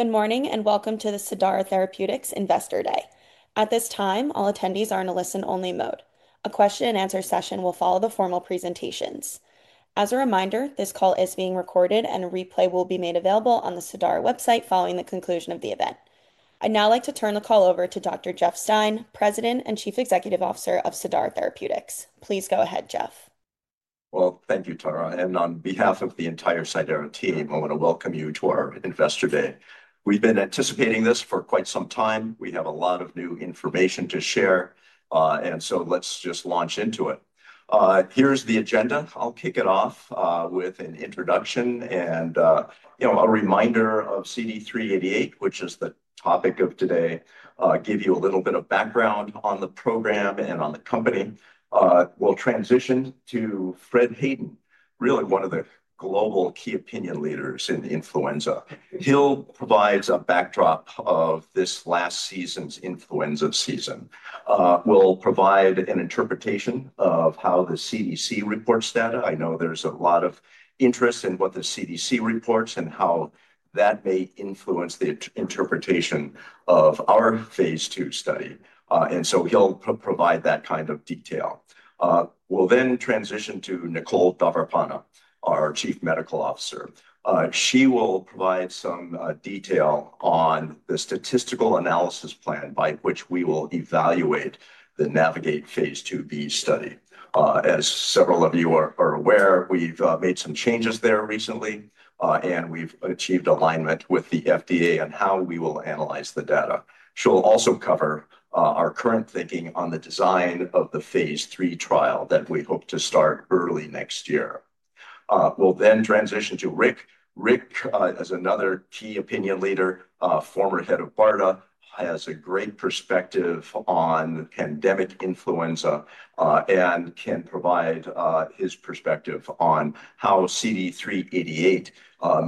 Good morning and welcome to the Cidara Therapeutics Investor Day. At this time, all attendees are in a listen-only mode. A question-and-answer session will follow the formal presentations. As a reminder, this call is being recorded and a replay will be made available on the Cidara website following the conclusion of the event. I'd now like to turn the call over to Dr. Jeff Stein, President and Chief Executive Officer of Cidara Therapeutics. Please go ahead, Jeff. Thank you, Tara. On behalf of the entire Cidara team, I want to welcome you to our Investor Day. We've been anticipating this for quite some time. We have a lot of new information to share, so let's just launch into it. Here's the agenda. I'll kick it off with an introduction and a reminder of CD388, which is the topic of today, give you a little bit of background on the program and on the company. We'll transition to Fred Hayden, really one of the global key opinion leaders in influenza. He'll provide a backdrop of this last season's influenza season. We'll provide an interpretation of how the CDC reports data. I know there's a lot of interest in what the CDC reports and how that may influence the interpretation of our phase two study. He'll provide that kind of detail. We'll then transition to Nicole Davarpanah, our Chief Medical Officer. She will provide some detail on the statistical analysis plan by which we will evaluate the Navigate phase 2B study. As several of you are aware, we've made some changes there recently, and we've achieved alignment with the FDA on how we will analyze the data. She'll also cover our current thinking on the design of the phase three trial that we hope to start early next year. We'll then transition to Rick. Rick is another key opinion leader, former head of BARDA, has a great perspective on pandemic influenza and can provide his perspective on how CD388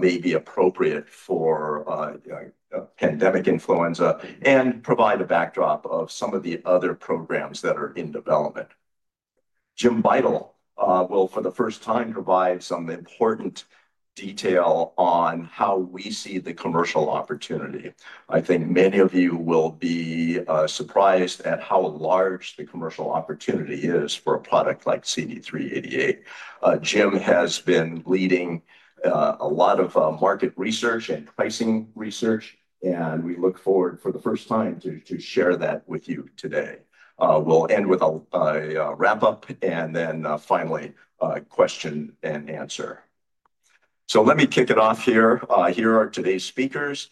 may be appropriate for pandemic influenza and provide a backdrop of some of the other programs that are in development. Jim Beitel, for the first time, provides some important detail on how we see the commercial opportunity. I think many of you will be surprised at how large the commercial opportunity is for a product like CD388. Jim has been leading a lot of market research and pricing research, and we look forward for the first time to share that with you today. We'll end with a wrap-up and then finally a question and answer. Let me kick it off here. Here are today's speakers.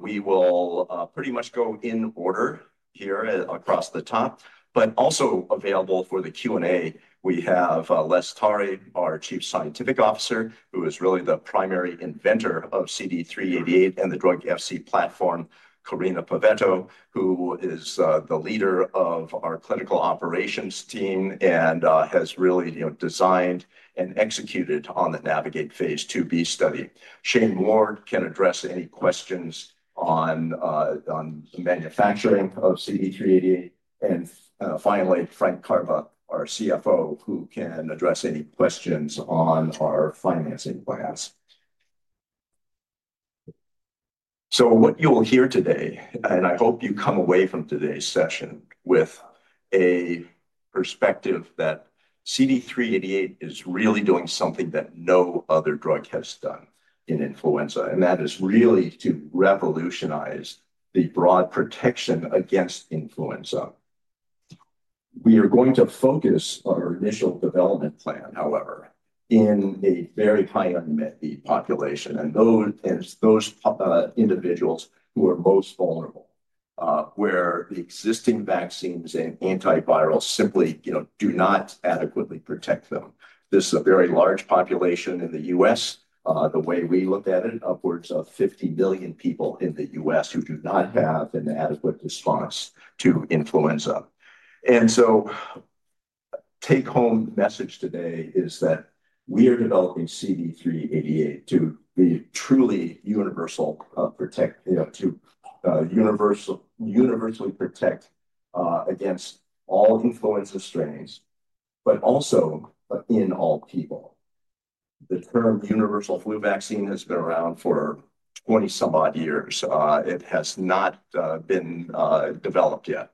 We will pretty much go in order here across the top, but also available for the Q&A. We have Les Tari, our Chief Scientific Officer, who is really the primary inventor of CD388 and the drug-Fc platform, Corina Pavetto, who is the leader of our clinical operations team and has really designed and executed on the Navigate Phase 2B study. Shane Ward can address any questions on the manufacturing of CD388. Finally, Frank Karbe, our CFO, who can address any questions on our financing plans. What you will hear today, and I hope you come away from today's session with a perspective that CD388 is really doing something that no other drug has done in influenza, and that is really to revolutionize the broad protection against influenza. We are going to focus our initial development plan, however, in a very high unmet need population, and those individuals who are most vulnerable, where the existing vaccines and antivirals simply do not adequately protect them. This is a very large population in the U.S., the way we look at it, upwards of 50 million people in the US who do not have an adequate response to influenza. The take-home message today is that we are developing CD388 to be truly universal to universally protect against all influenza strains, but also in all people. The term universal flu vaccine has been around for 20 some odd years. It has not been developed yet.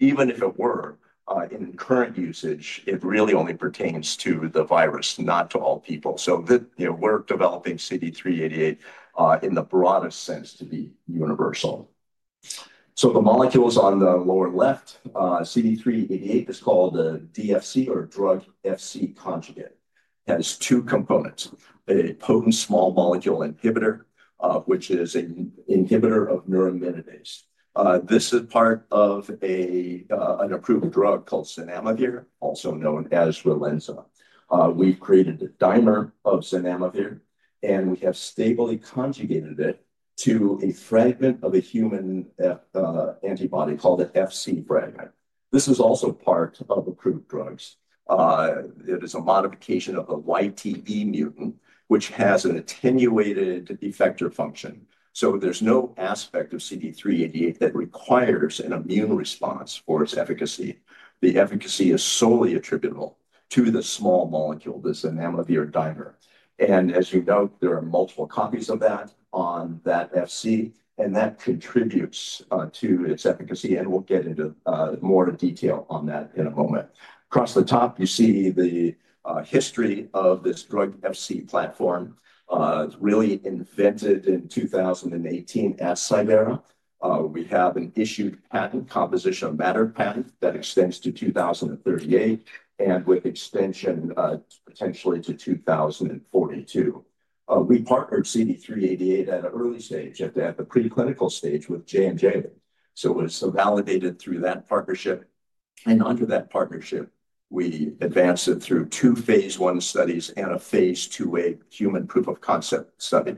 Even if it were in current usage, it really only pertains to the virus, not to all people. We are developing CD388 in the broadest sense to be universal. The molecules on the lower left, CD388 is called the DFC or drug-Fc conjugate. It has two components: a potent small molecule inhibitor, which is an inhibitor of neuraminidase. This is part of an approved drug called zanamivir, also known as Relenza. We have created a dimer of zanamivir, and we have stably conjugated it to a fragment of a human antibody called an Fc fragment. This is also part of approved drugs. It is a modification of the YTE mutant, which has an attenuated effector function. There is no aspect of CD388 that requires an immune response for its efficacy. The efficacy is solely attributable to the small molecule, the zanamivir dimer. As you know, there are multiple copies of that on that Fc, and that contributes to its efficacy. We will get into more detail on that in a moment. Across the top, you see the history of this drug-Fc platform, really invented in 2018 at Cidara. We have an issued composition of matter patent that extends to 2038 and with extension potentially to 2042. We partnered CD388 at an early stage, at the preclinical stage with J&J. It was validated through that partnership. Under that partnership, we advanced it through two phase 1 studies and a phase 2 human proof of concept study.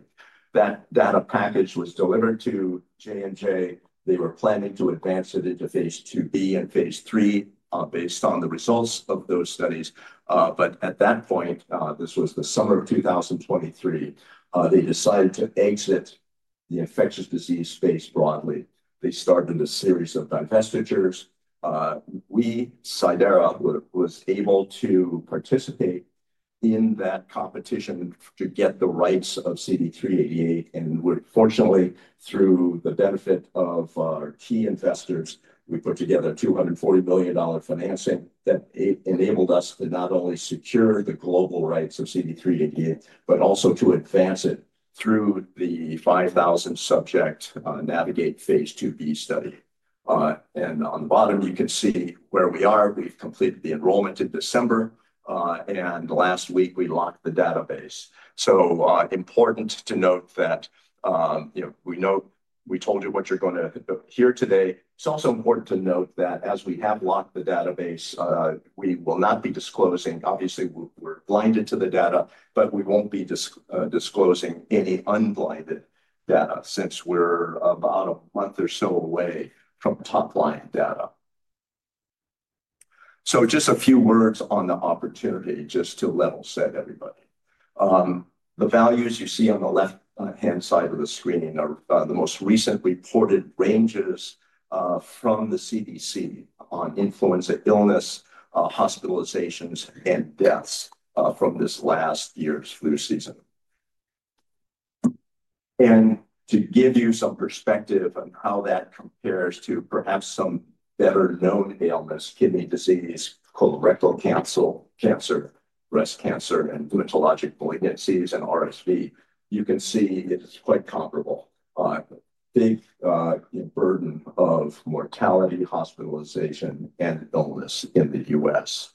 That data package was delivered to J&J. They were planning to advance it into phase 2B and phase 3 based on the results of those studies. At that point, this was the summer of 2023, they decided to exit the infectious disease space broadly. They started a series of divestitures. We, Cidara, was able to participate in that competition to get the rights of CD388. Fortunately, through the benefit of key investors, we put together $240 million financing that enabled us to not only secure the global rights of CD388, but also to advance it through the 5,000-subject Navigate Phase 2B study. On the bottom, you can see where we are. We've completed the enrollment in December, and last week we locked the database. Important to note that we told you what you're going to hear today. It's also important to note that as we have locked the database, we will not be disclosing. Obviously, we're blinded to the data, but we won't be disclosing any unblinded data since we're about a month or so away from top-line data. Just a few words on the opportunity just to level set everybody. The values you see on the left-hand side of the screen are the most recent reported ranges from the CDC on influenza illness, hospitalizations, and deaths from this last year's flu season. To give you some perspective on how that compares to perhaps some better-known ailments, kidney disease, colorectal cancer, breast cancer, and hematologic malignancies, and RSV, you can see it is quite comparable. Big burden of mortality, hospitalization, and illness in the U.S..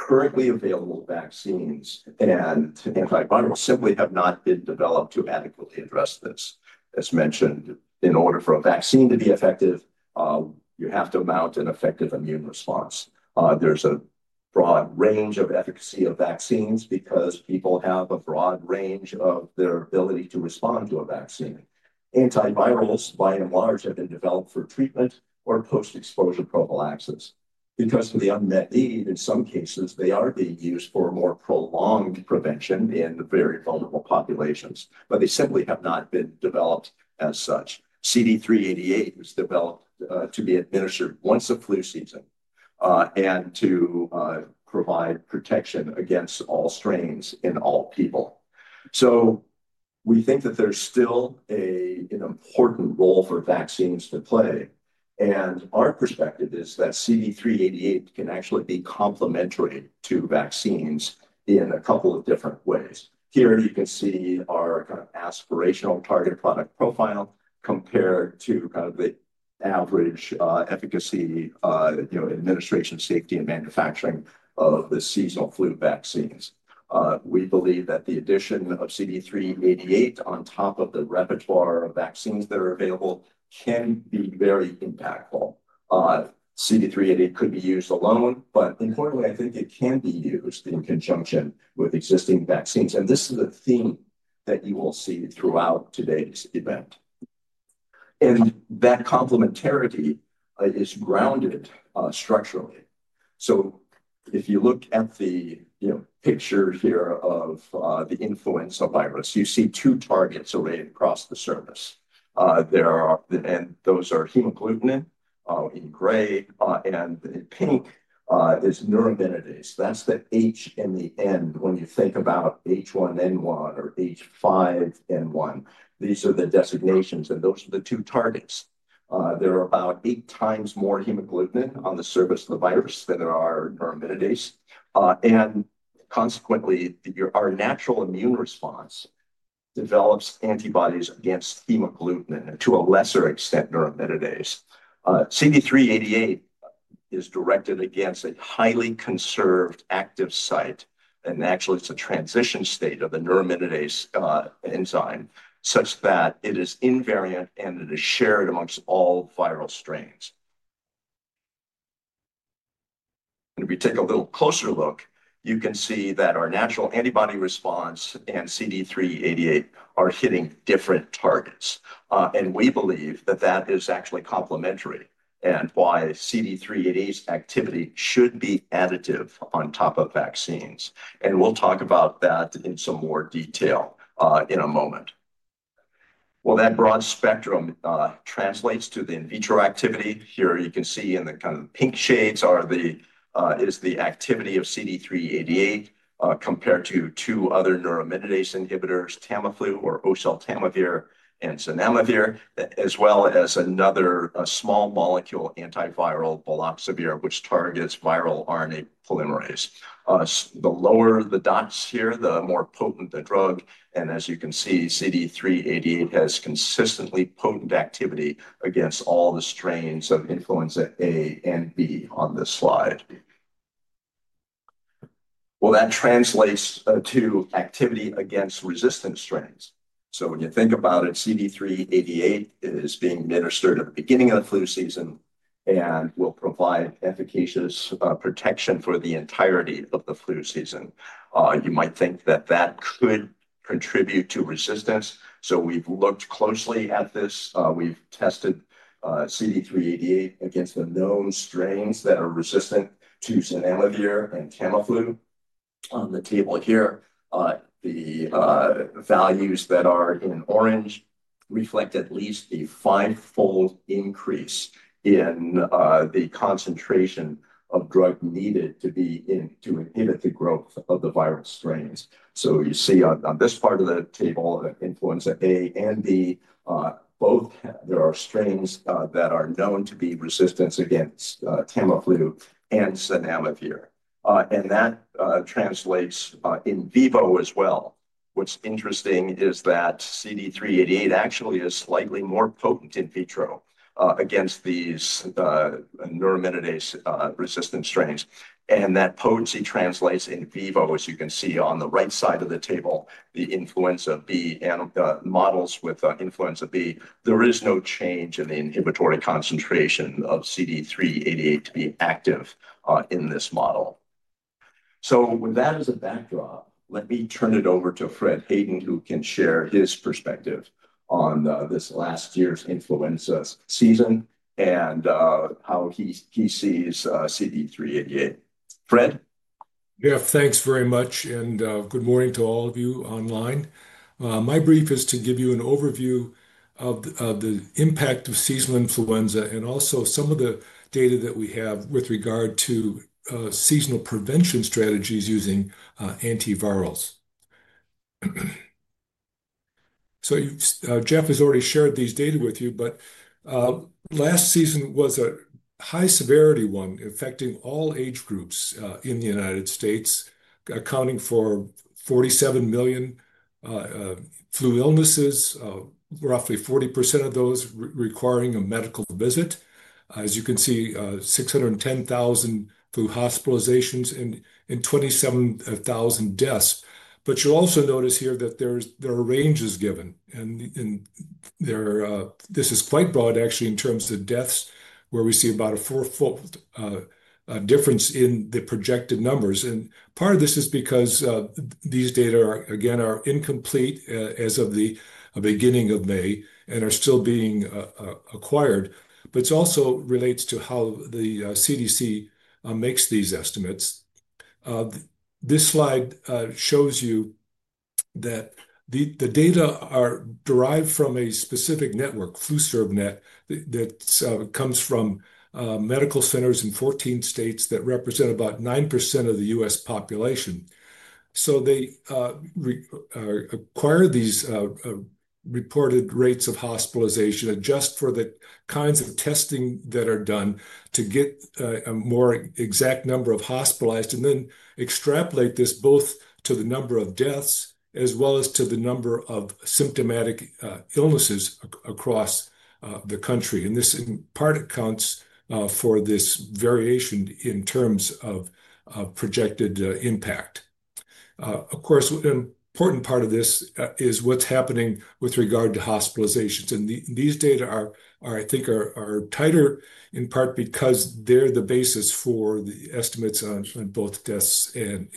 Currently available vaccines and antivirals simply have not been developed to adequately address this. As mentioned, in order for a vaccine to be effective, you have to mount an effective immune response. There's a broad range of efficacy of vaccines because people have a broad range of their ability to respond to a vaccine. Antivirals, by and large, have been developed for treatment or post-exposure prophylaxis. Because of the unmet need, in some cases, they are being used for more prolonged prevention in very vulnerable populations, but they simply have not been developed as such. CD388 was developed to be administered once a flu season and to provide protection against all strains in all people. We think that there's still an important role for vaccines to play. Our perspective is that CD388 can actually be complementary to vaccines in a couple of different ways. Here you can see our kind of aspirational target product profile compared to kind of the average efficacy, administration, safety, and manufacturing of the seasonal flu vaccines. We believe that the addition of CD388 on top of the repertoire of vaccines that are available can be very impactful. CD388 could be used alone, but importantly, I think it can be used in conjunction with existing vaccines. This is a theme that you will see throughout today's event. That complementarity is grounded structurally. If you look at the picture here of the influenza virus, you see two targets arrayed across the surface. Those are hemagglutinin in gray, and in pink is neuraminidase. That's the H and the N when you think about H1N1 or H5N1. These are the designations, and those are the two targets. There are about eight times more hemagglutinin on the surface of the virus than there are neuraminidase. Consequently, our natural immune response develops antibodies against hemagglutinin and to a lesser extent neuraminidase. CD388 is directed against a highly conserved active site. Actually, it's a transition state of the neuraminidase enzyme such that it is invariant and it is shared amongst all viral strains. If we take a little closer look, you can see that our natural antibody response and CD388 are hitting different targets. We believe that that is actually complementary and why CD388's activity should be additive on top of vaccines. We'll talk about that in some more detail in a moment. That broad spectrum translates to the in vitro activity. Here you can see in the kind of pink shades is the activity of CD388 compared to two other neuraminidase inhibitors, Tamiflu or oseltamivir and zanamivir, as well as another small molecule antiviral, Baloxavir, which targets viral RNA polymerase. The lower the dots here, the more potent the drug. As you can see, CD388 has consistently potent activity against all the strains of influenza A and B on this slide. That translates to activity against resistant strains. When you think about it, CD388 is being administered at the beginning of the flu season and will provide efficacious protection for the entirety of the flu season. You might think that that could contribute to resistance. We have looked closely at this. We have tested CD388 against the known strains that are resistant to zanamivir and Tamiflu. On the table here, the values that are in orange reflect at least a five-fold increase in the concentration of drug needed to inhibit the growth of the viral strains. You see on this part of the table, influenza A and B, both, there are strains that are known to be resistant against Tamiflu and Zanamivir. That translates in vivo as well. What's interesting is that CD388 actually is slightly more potent in vitro against these neuraminidase resistant strains. That potency translates in vivo, as you can see on the right side of the table, the influenza B-models. With influenza B, there is no change in the inhibitory concentration of CD388 to be active in this model. With that as a backdrop, let me turn it over to Fred Hayden, who can share his perspective on this last year's influenza season and how he sees CD388. Fred? Yeah, thanks very much. And good morning to all of you online. My brief is to give you an overview of the impact of seasonal influenza and also some of the data that we have with regard to seasonal prevention strategies using antivirals. Jeff has already shared these data with you, but last season was a high severity one affecting all age groups in the United States, accounting for 47 million flu illnesses, roughly 40% of those requiring a medical visit. As you can see, 610,000 flu hospitalizations and 27,000 deaths. You'll also notice here that there are ranges given. This is quite broad, actually, in terms of deaths, where we see about a four-fold difference in the projected numbers. Part of this is because these data, again, are incomplete as of the beginning of May and are still being acquired. It also relates to how the CDC makes these estimates. This slide shows you that the data are derived from a specific network, FluSurv-NET, that comes from medical centers in 14 states that represent about 9% of the US population. They acquired these reported rates of hospitalization just for the kinds of testing that are done to get a more exact number of hospitalized and then extrapolate this both to the number of deaths as well as to the number of symptomatic illnesses across the country. This in part accounts for this variation in terms of projected impact. Of course, an important part of this is what's happening with regard to hospitalizations. These data are, I think, tighter in part because they're the basis for the estimates on both deaths and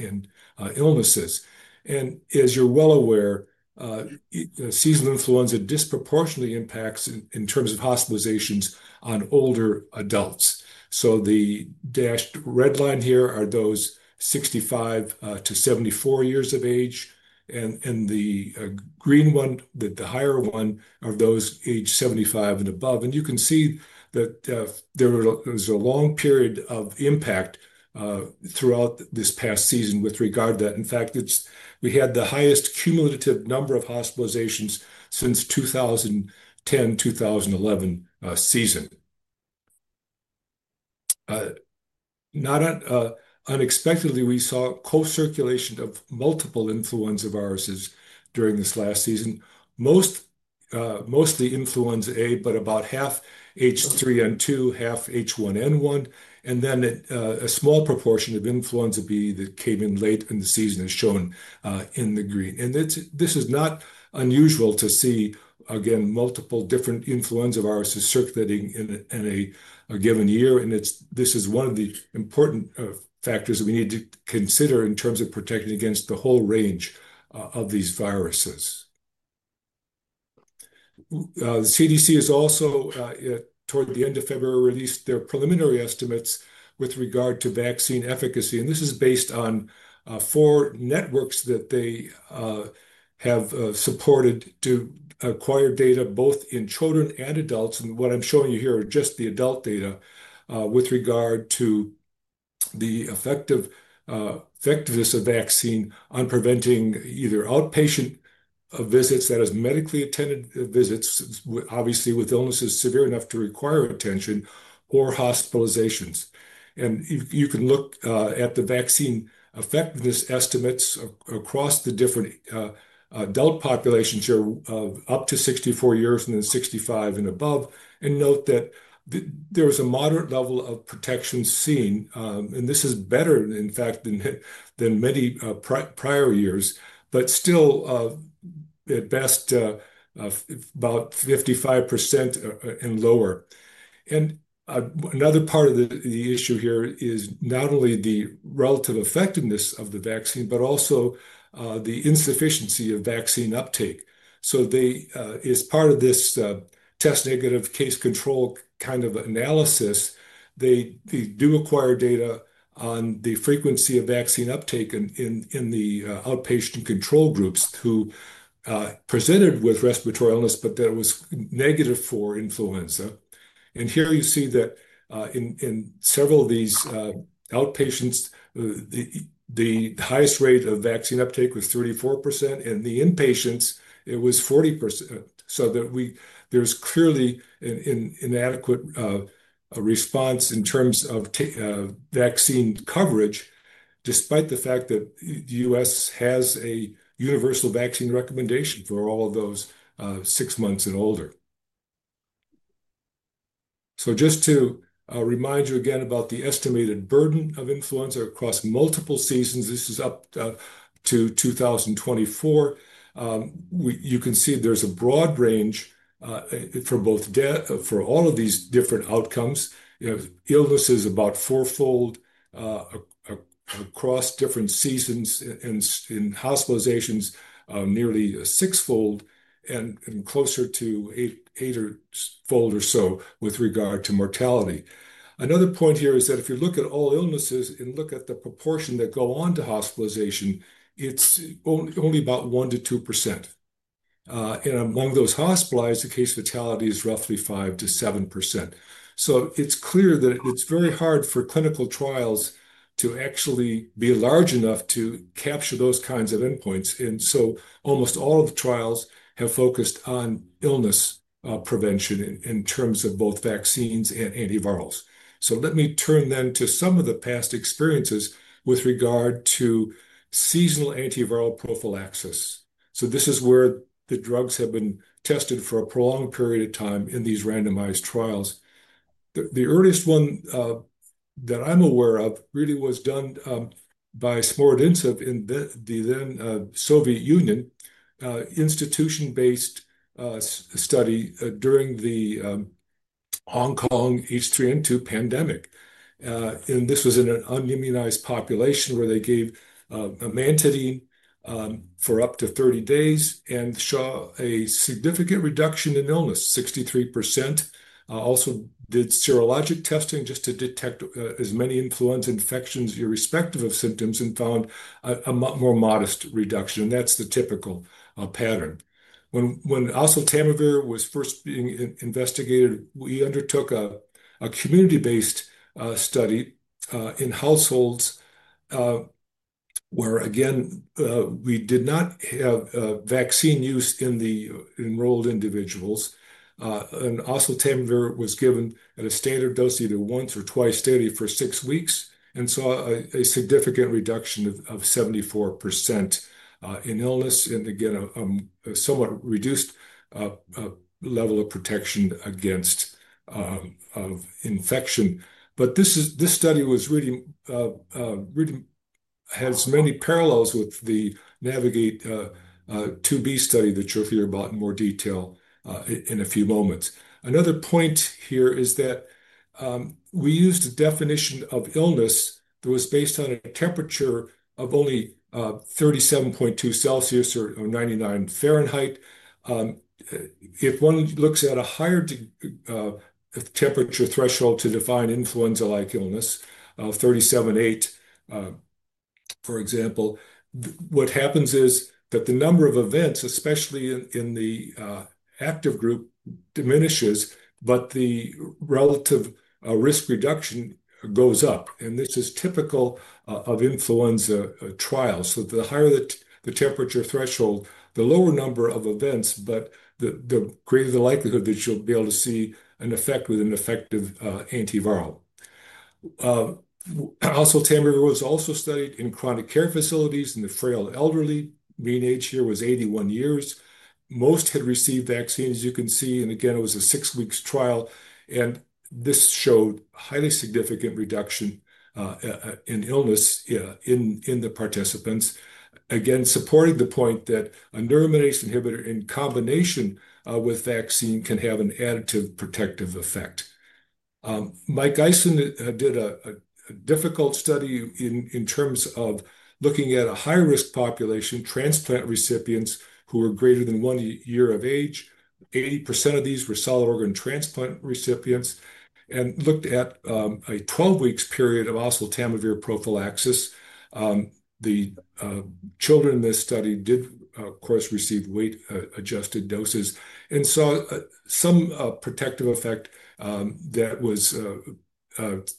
illnesses. As you're well aware, seasonal influenza disproportionately impacts in terms of hospitalizations on older adults. The dashed red line here are those 65-74 years of age. The green one, the higher one, are those aged 75 and above. You can see that there was a long period of impact throughout this past season with regard to that. In fact, we had the highest cumulative number of hospitalizations since the 2010-2011 season. Unexpectedly, we saw co-circulation of multiple influenza viruses during this last season, mostly influenza A, but about half H3N2, half H1N1, and then a small proportion of influenza B that came in late in the season as shown in the green. This is not unusual to see, again, multiple different influenza viruses circulating in a given year. This is one of the important factors we need to consider in terms of protecting against the whole range of these viruses. The CDC has also, toward the end of February, released their preliminary estimates with regard to vaccine efficacy. This is based on four networks that they have supported to acquire data both in children and adults. What I'm showing you here are just the adult data with regard to the effectiveness of vaccine on preventing either outpatient visits, that is, medically attended visits, obviously with illnesses severe enough to require attention, or hospitalizations. You can look at the vaccine effectiveness estimates across the different adult populations here of up to 64 years and then 65 and above. Note that there is a moderate level of protection seen. This is better, in fact, than many prior years, but still at best about 55% and lower. Another part of the issue here is not only the relative effectiveness of the vaccine, but also the insufficiency of vaccine uptake. As part of this test negative case control kind of analysis, they do acquire data on the frequency of vaccine uptake in the outpatient control groups who presented with respiratory illness, but that was negative for influenza. Here you see that in several of these outpatients, the highest rate of vaccine uptake was 34%. In the inpatients, it was 40%. There is clearly an inadequate response in terms of vaccine coverage, despite the fact that the U.S. has a universal vaccine recommendation for all of those six months and older. Just to remind you again about the estimated burden of influenza across multiple seasons, this is up to 2024. You can see there is a broad range for all of these different outcomes. Illness is about four-fold across different seasons and in hospitalizations, nearly six-fold and closer to eight-fold or so with regard to mortality. Another point here is that if you look at all illnesses and look at the proportion that go on to hospitalization, it's only about 1%-2%. Among those hospitalized, the case fatality is roughly 5%-7%. It is clear that it is very hard for clinical trials to actually be large enough to capture those kinds of endpoints. Almost all of the trials have focused on illness prevention in terms of both vaccines and antivirals. Let me turn then to some of the past experiences with regard to seasonal antiviral prophylaxis. This is where the drugs have been tested for a prolonged period of time in these randomized trials. The earliest one that I'm aware of really was done by Smordintsev in the then Soviet Union, institution-based study during the Hong Kong H3N2 pandemic. This was in an unimmunized population where they gave amantadine for up to 30 days and saw a significant reduction in illness, 63%. They also did serologic testing just to detect as many influenza infections irrespective of symptoms and found a more modest reduction. That is the typical pattern. When oseltamivir was first being investigated, we undertook a community-based study in households where, again, we did not have vaccine use in the enrolled individuals. Oseltamivir was given at a standard dose, either once or twice daily for six weeks, and saw a significant reduction of 74% in illness and, again, a somewhat reduced level of protection against infection. This study has many parallels with the Navigate Phase 2B study that you will hear about in more detail in a few moments. Another point here is that we used a definition of illness that was based on a temperature of only 37.2 degrees Celsius or 99 degrees Fahrenheit. If one looks at a higher temperature threshold to define influenza-like illness, 37.8, for example, what happens is that the number of events, especially in the active group, diminishes, but the relative risk reduction goes up. This is typical of influenza trials. The higher the temperature threshold, the lower number of events, but the greater the likelihood that you'll be able to see an effect with an effective antiviral. Also, oseltamivir was also studied in chronic care facilities in the frail elderly. Mean age here was 81 years. Most had received vaccines, as you can see. Again, it was a six-week trial. This showed a highly significant reduction in illness in the participants, again, supporting the point that a neuraminidase inhibitor in combination with vaccine can have an additive protective effect. Mike Icen did a difficult study in terms of looking at a high-risk population, transplant recipients who were greater than one year of age. 80% of these were solid organ transplant recipients. He looked at a 12-week period of oseltamivir prophylaxis. The children in this study did, of course, receive weight-adjusted doses and saw some protective effect that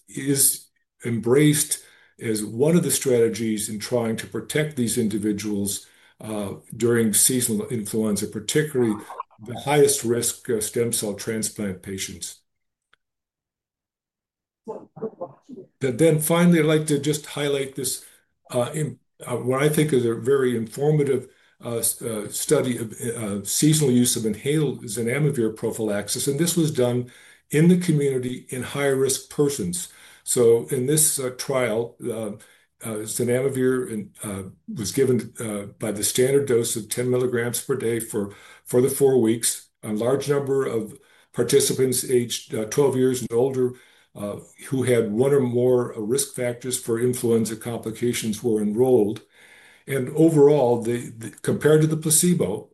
is embraced as one of the strategies in trying to protect these individuals during seasonal influenza, particularly the highest-risk stem cell transplant patients. Finally, I'd like to just highlight what I think is a very informative study of seasonal use of zanamivir prophylaxis. This was done in the community in high-risk persons. In this trial, Zanamivir was given by the standard dose of 10 milligrams per day for the four weeks. A large number of participants aged 12 years and older who had one or more risk factors for influenza complications were enrolled. Overall, compared to the placebo,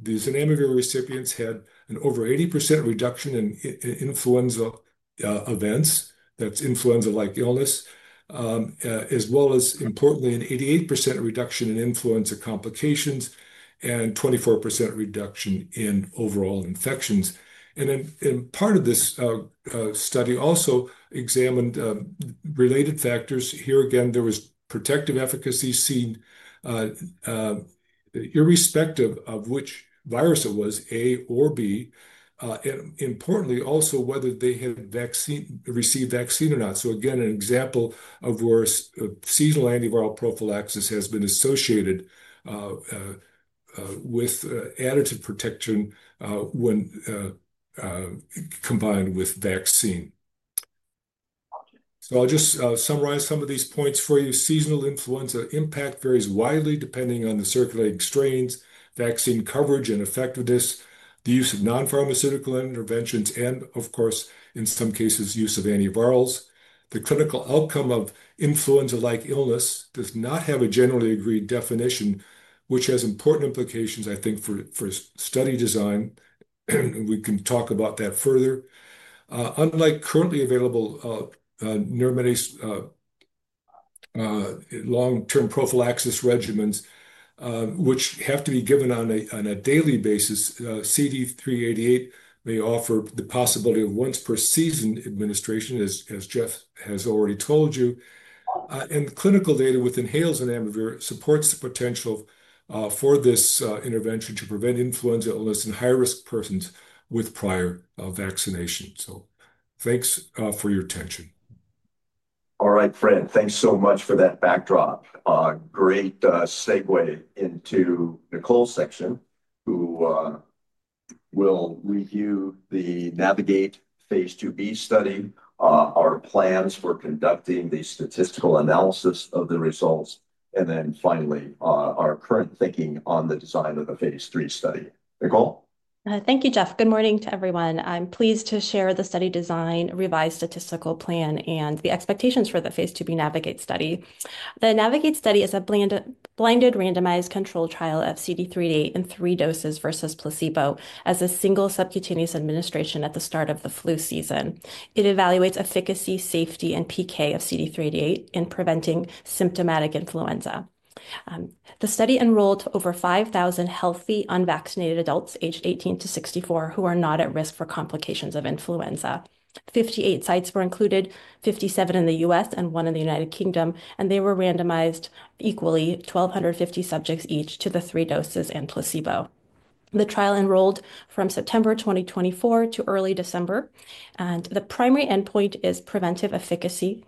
the Zanamivir recipients had an over 80% reduction in influenza events, that's influenza-like illness, as well as, importantly, an 88% reduction in influenza complications and 24% reduction in overall infections. Part of this study also examined related factors. Here again, there was protective efficacy seen irrespective of which virus it was, A or B, and importantly, also whether they had received vaccine or not. Again, an example of where seasonal antiviral prophylaxis has been associated with additive protection when combined with vaccine. I'll just summarize some of these points for you. Seasonal influenza impact varies widely depending on the circulating strains, vaccine coverage and effectiveness, the use of non-pharmaceutical interventions, and, of course, in some cases, use of antivirals. The clinical outcome of influenza-like illness does not have a generally agreed definition, which has important implications, I think, for study design. We can talk about that further. Unlike currently available neuraminidase long-term prophylaxis regimens, which have to be given on a daily basis, CD388 may offer the possibility of once-per-season administration, as Jeff has already told you. Clinical data with inhaled zanamivir supports the potential for this intervention to prevent influenza illness in high-risk persons with prior vaccination. Thanks for your attention. All right, Fred, thanks so much for that backdrop. Great segue into Nicole's section, who will review the Navigate phase 2B study, our plans for conducting the statistical analysis of the results, and then finally, our current thinking on the design of the phase 3 study. Nicole? Thank you, Jeff. Good morning to everyone. I'm pleased to share the study design, revised statistical plan, and the expectations for the phase 2B Navigate study. The Navigate study is a blinded randomized control trial of CD388 in three doses versus placebo as a single subcutaneous administration at the start of the flu season. It evaluates efficacy, safety, and PK of CD388 in preventing symptomatic influenza. The study enrolled over 5,000 healthy unvaccinated adults aged 18 to 64 who are not at risk for complications of influenza. Fifty-eight sites were included, fifty-seven in the U.S. and one in the United Kingdom, and they were randomized equally, 1,250 subjects each to the three doses and placebo. The trial enrolled from September 2024 to early December. The primary endpoint is preventive efficacy.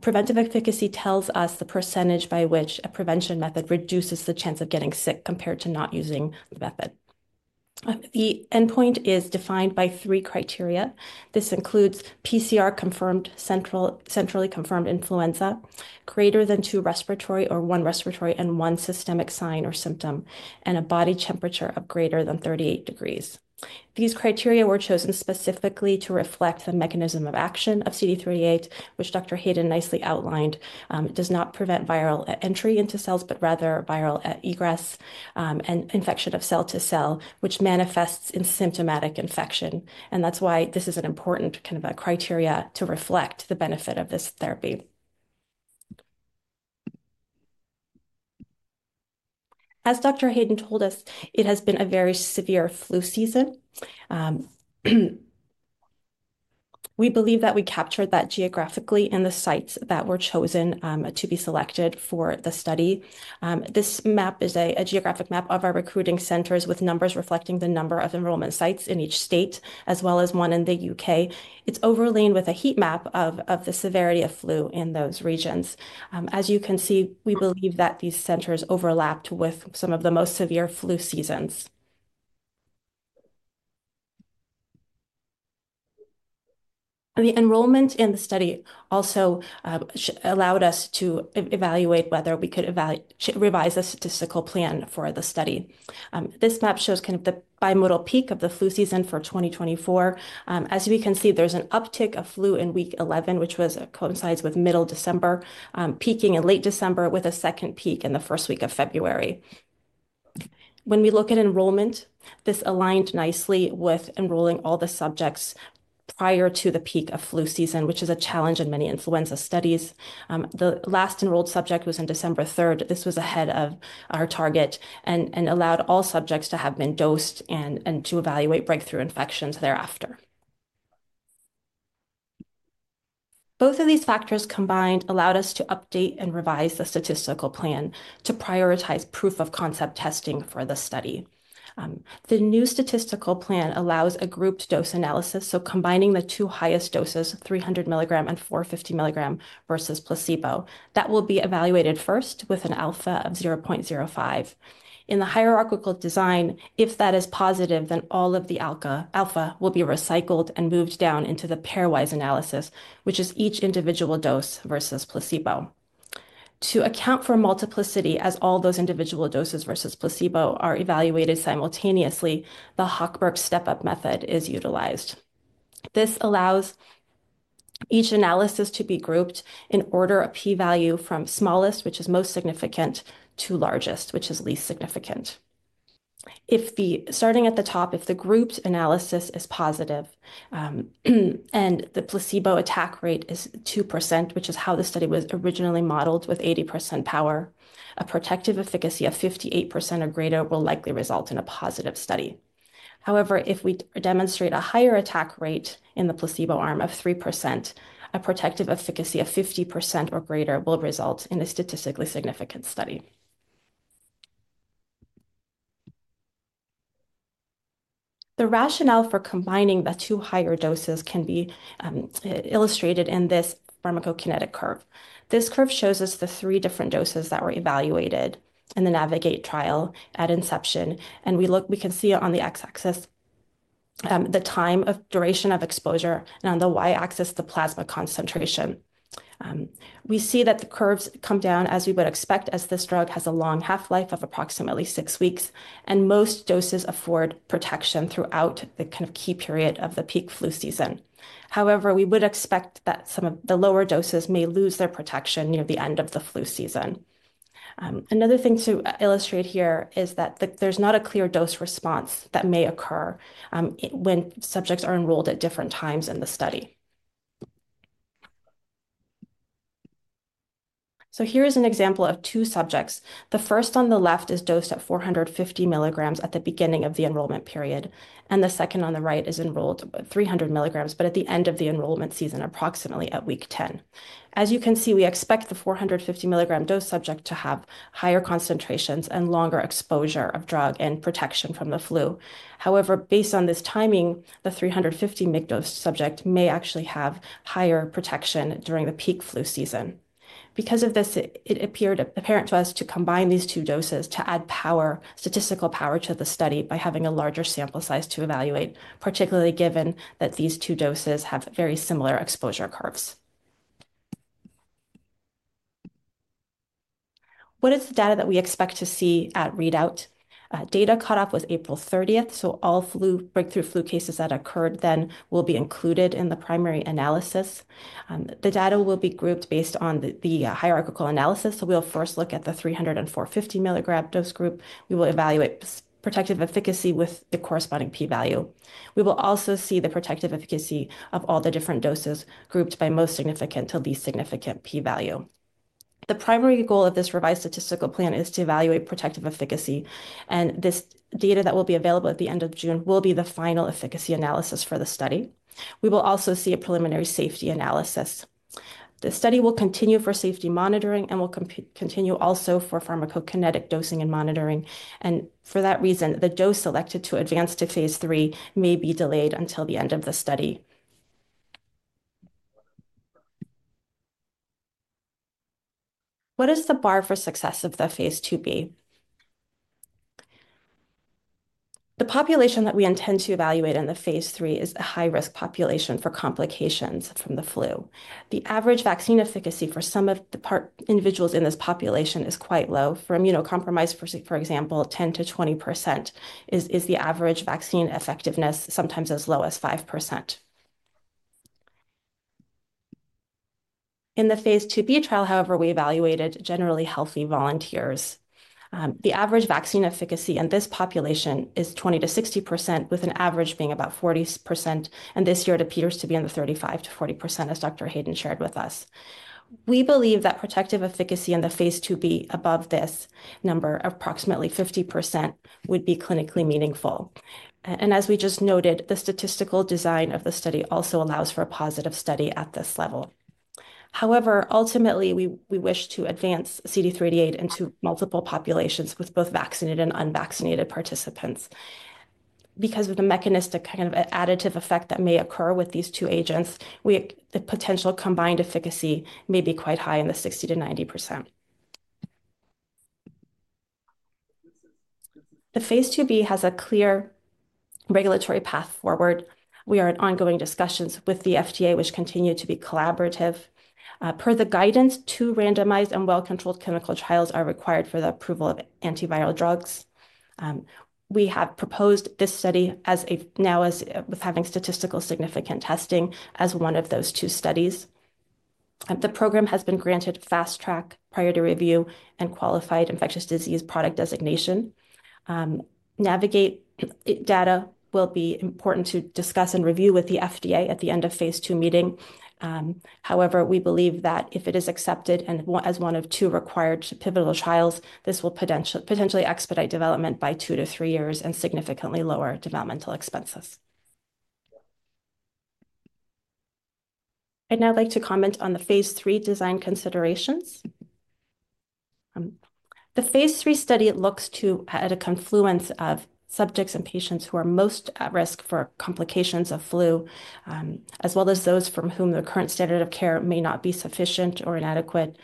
Preventive efficacy tells us the percentage by which a prevention method reduces the chance of getting sick compared to not using the method. The endpoint is defined by three criteria. This includes PCR-confirmed, centrally confirmed influenza, greater than two respiratory or one respiratory and one systemic sign or symptom, and a body temperature of greater than 38 degrees Celsius. These criteria were chosen specifically to reflect the mechanism of action of CD388, which Dr. Hayden nicely outlined. It does not prevent viral entry into cells, but rather viral egress and infection of cell to cell, which manifests in symptomatic infection. That is why this is an important kind of criteria to reflect the benefit of this therapy. As Dr. Hayden told us, it has been a very severe flu season. We believe that we captured that geographically in the sites that were chosen to be selected for the study. This map is a geographic map of our recruiting centers with numbers reflecting the number of enrollment sites in each state, as well as one in the U.K. It is overlain with a heat map of the severity of flu in those regions. As you can see, we believe that these centers overlapped with some of the most severe flu seasons. The enrollment in the study also allowed us to evaluate whether we could revise a statistical plan for the study. This map shows kind of the bimodal peak of the flu season for 2024. As we can see, there's an uptick of flu in week 11, which coincides with middle December, peaking in late December with a second peak in the first week of February. When we look at enrollment, this aligned nicely with enrolling all the subjects prior to the peak of flu season, which is a challenge in many influenza studies. The last enrolled subject was on December 3rd. This was ahead of our target and allowed all subjects to have been dosed and to evaluate breakthrough infections thereafter. Both of these factors combined allowed us to update and revise the statistical plan to prioritize proof-of-concept testing for the study. The new statistical plan allows a grouped dose analysis, so combining the two highest doses, 300 milligram and 450 milligram versus placebo. That will be evaluated first with an alpha of 0.05. In the hierarchical design, if that is positive, then all of the alpha will be recycled and moved down into the pairwise analysis, which is each individual dose versus placebo. To account for multiplicity, as all those individual doses versus placebo are evaluated simultaneously, the Hochberg step-up method is utilized. This allows each analysis to be grouped in order of p-value from smallest, which is most significant, to largest, which is least significant. Starting at the top, if the grouped analysis is positive and the placebo attack rate is 2%, which is how the study was originally modeled with 80% power, a protective efficacy of 58% or greater will likely result in a positive study. However, if we demonstrate a higher attack rate in the placebo arm of 3%, a protective efficacy of 50% or greater will result in a statistically significant study. The rationale for combining the two higher doses can be illustrated in this pharmacokinetic curve. This curve shows us the three different doses that were evaluated in the Navigate trial at inception. We can see on the x-axis the time of duration of exposure, and on the y-axis, the plasma concentration. We see that the curves come down as we would expect as this drug has a long half-life of approximately six weeks, and most doses afford protection throughout the kind of key period of the peak flu season. However, we would expect that some of the lower doses may lose their protection near the end of the flu season. Another thing to illustrate here is that there's not a clear dose response that may occur when subjects are enrolled at different times in the study. Here is an example of two subjects. The first on the left is dosed at 450 milligrams at the beginning of the enrollment period, and the second on the right is enrolled at 300 milligrams, but at the end of the enrollment season, approximately at week 10. As you can see, we expect the 450 milligram dose subject to have higher concentrations and longer exposure of drug and protection from the flu. However, based on this timing, the 350 milligram dose subject may actually have higher protection during the peak flu season. Because of this, it appeared apparent to us to combine these two doses to add statistical power to the study by having a larger sample size to evaluate, particularly given that these two doses have very similar exposure curves. What is the data that we expect to see at readout? Data cut off was April 30th, so all breakthrough flu cases that occurred then will be included in the primary analysis. The data will be grouped based on the hierarchical analysis. We will first look at the 300 and 450 milligram dose group. We will evaluate protective efficacy with the corresponding p-value. We will also see the protective efficacy of all the different doses grouped by most significant to least significant p-value. The primary goal of this revised statistical plan is to evaluate protective efficacy, and this data that will be available at the end of June will be the final efficacy analysis for the study. We will also see a preliminary safety analysis. The study will continue for safety monitoring and will continue also for pharmacokinetic dosing and monitoring. For that reason, the dose selected to advance to phase three may be delayed until the end of the study. What is the bar for success of the phase 2B? The population that we intend to evaluate in the phase three is a high-risk population for complications from the flu. The average vaccine efficacy for some of the individuals in this population is quite low. For immunocompromised, for example, 10%-20% is the average vaccine effectiveness, sometimes as low as 5%. In the phase 2B trial, however, we evaluated generally healthy volunteers. The average vaccine efficacy in this population is 20-60%, with an average being about 40%. This year, it appears to be in the 35%-40%, as Dr. Hayden shared with us. We believe that protective efficacy in the phase 2B above this number of approximately 50% would be clinically meaningful. As we just noted, the statistical design of the study also allows for a positive study at this level. However, ultimately, we wish to advance CD388 into multiple populations with both vaccinated and unvaccinated participants. Because of the mechanistic kind of additive effect that may occur with these two agents, the potential combined efficacy may be quite high in the 60%-90%. The phase 2B has a clear regulatory path forward. We are in ongoing discussions with the FDA, which continue to be collaborative. Per the guidance, two randomized and well-controlled clinical trials are required for the approval of antiviral drugs. We have proposed this study now as having statistical significant testing as one of those two studies. The program has been granted fast track prior to review and qualified infectious disease product designation. Navigate data will be important to discuss and review with the FDA at the end of phase two meeting. However, we believe that if it is accepted as one of two required pivotal trials, this will potentially expedite development by two to three years and significantly lower developmental expenses. I'd like to comment on the phase three design considerations. The phase three study looks at a confluence of subjects and patients who are most at risk for complications of flu, as well as those from whom the current standard of care may not be sufficient or inadequate,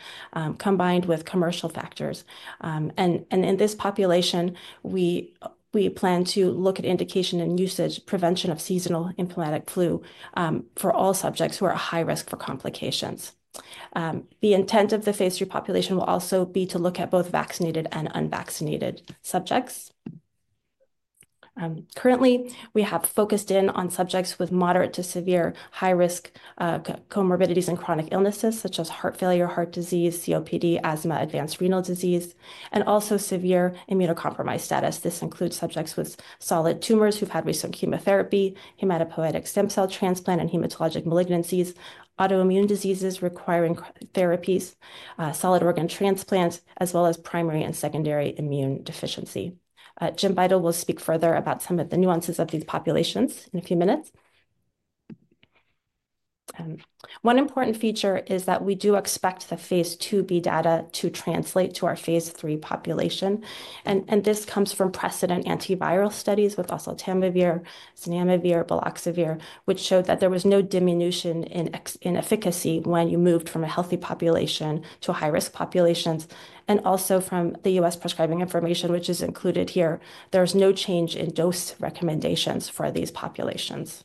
combined with commercial factors. In this population, we plan to look at indication and usage prevention of seasonal influenza flu for all subjects who are at high risk for complications. The intent of the phase three population will also be to look at both vaccinated and unvaccinated subjects. Currently, we have focused in on subjects with moderate to severe high-risk comorbidities and chronic illnesses, such as heart failure, heart disease, COPD, asthma, advanced renal disease, and also severe immunocompromised status. This includes subjects with solid tumors who've had recent chemotherapy, hematopoietic stem cell transplant and hematologic malignancies, autoimmune diseases requiring therapies, solid organ transplants, as well as primary and secondary immune deficiency. Jim Beitel will speak further about some of the nuances of these populations in a few minutes. One important feature is that we do expect the phase 2B data to translate to our phase three population. This comes from precedent antiviral studies with Oseltamivir, Zanamivir, Baloxavir, which showed that there was no diminution in efficacy when you moved from a healthy population to high-risk populations. Also from the U.S. prescribing information, which is included here, there is no change in dose recommendations for these populations.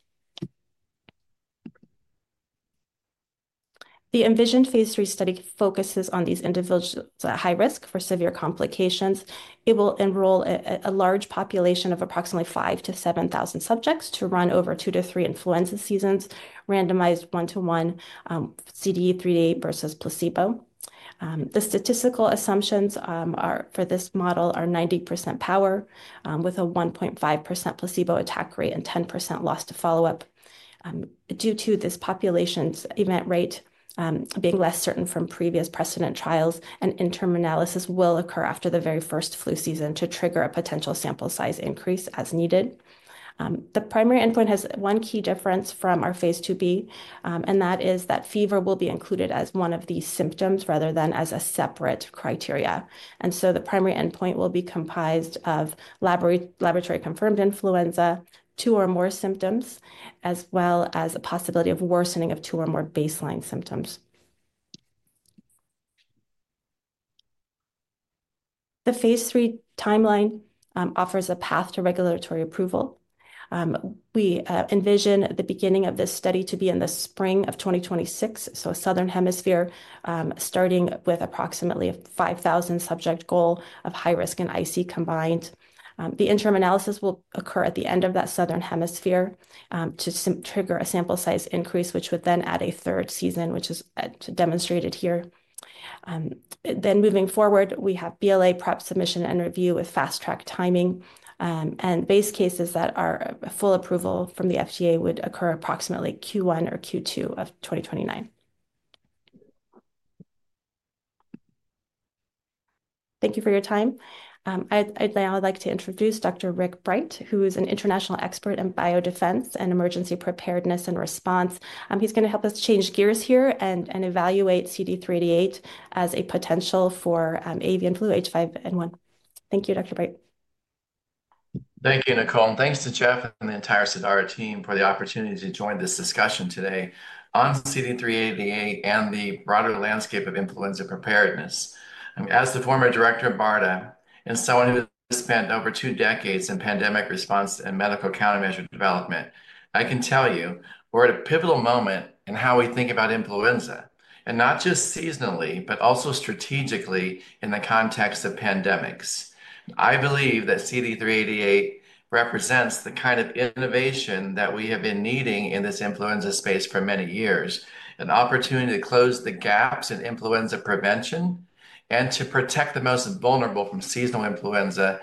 The envisioned phase 3 study focuses on these individuals at high risk for severe complications. It will enroll a large population of approximately 5,000-7,000 subjects to run over two to three influenza seasons, randomized one-to-one, CD388 versus placebo. The statistical assumptions for this model are 90% power with a 1.5% placebo attack rate and 10% loss to follow-up. Due to this population's event rate being less certain from previous precedent trials, an interim analysis will occur after the very first flu season to trigger a potential sample size increase as needed. The primary endpoint has one key difference from our phase 2B, and that is that fever will be included as one of these symptoms rather than as a separate criteria. The primary endpoint will be comprised of laboratory-confirmed influenza, two or more symptoms, as well as the possibility of worsening of two or more baseline symptoms. The phase three timeline offers a path to regulatory approval. We envision the beginning of this study to be in the spring of 2026, Southern Hemisphere, starting with approximately a 5,000-subject goal of high risk and IC combined. The interim analysis will occur at the end of that Southern Hemisphere to trigger a sample size increase, which would then add a third season, which is demonstrated here. Moving forward, we have BLA prep, submission, and review with fast track timing. Base cases that are full approval from the FDA would occur approximately Q1 or Q2 of 2029. Thank you for your time. I'd now like to introduce Dr. Rick Bright, who is an international expert in biodefense and emergency preparedness and response. He's going to help us change gears here and evaluate CD388 as a potential for avian flu, H5N1. Thank you, Dr. Bright. Thank you, Nicole. Thank you to Jeff and the entire Cidara team for the opportunity to join this discussion today on CD388 and the broader landscape of influenza preparedness. As the former director of BARDA and someone who has spent over two decades in pandemic response and medical countermeasure development, I can tell you we're at a pivotal moment in how we think about influenza, and not just seasonally, but also strategically in the context of pandemics. I believe that CD388 represents the kind of innovation that we have been needing in this influenza space for many years, an opportunity to close the gaps in influenza prevention and to protect the most vulnerable from seasonal influenza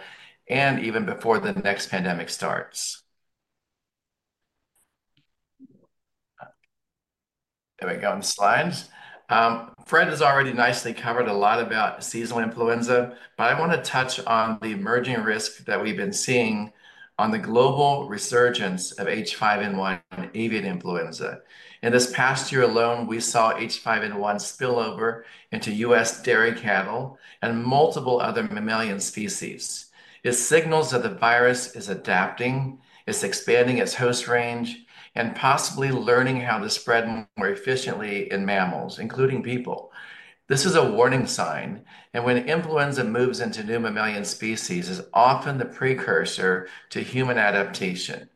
and even before the next pandemic starts. There we go on the slides. Fred has already nicely covered a lot about seasonal influenza, but I want to touch on the emerging risk that we've been seeing on the global resurgence of H5N1 avian influenza. In this past year alone, we saw H5N1 spill over into U.S. dairy cattle and multiple other mammalian species. It signals that the virus is adapting, it's expanding its host range, and possibly learning how to spread more efficiently in mammals, including people. This is a warning sign. When influenza moves into new mammalian species, it's often the precursor to human adaptation.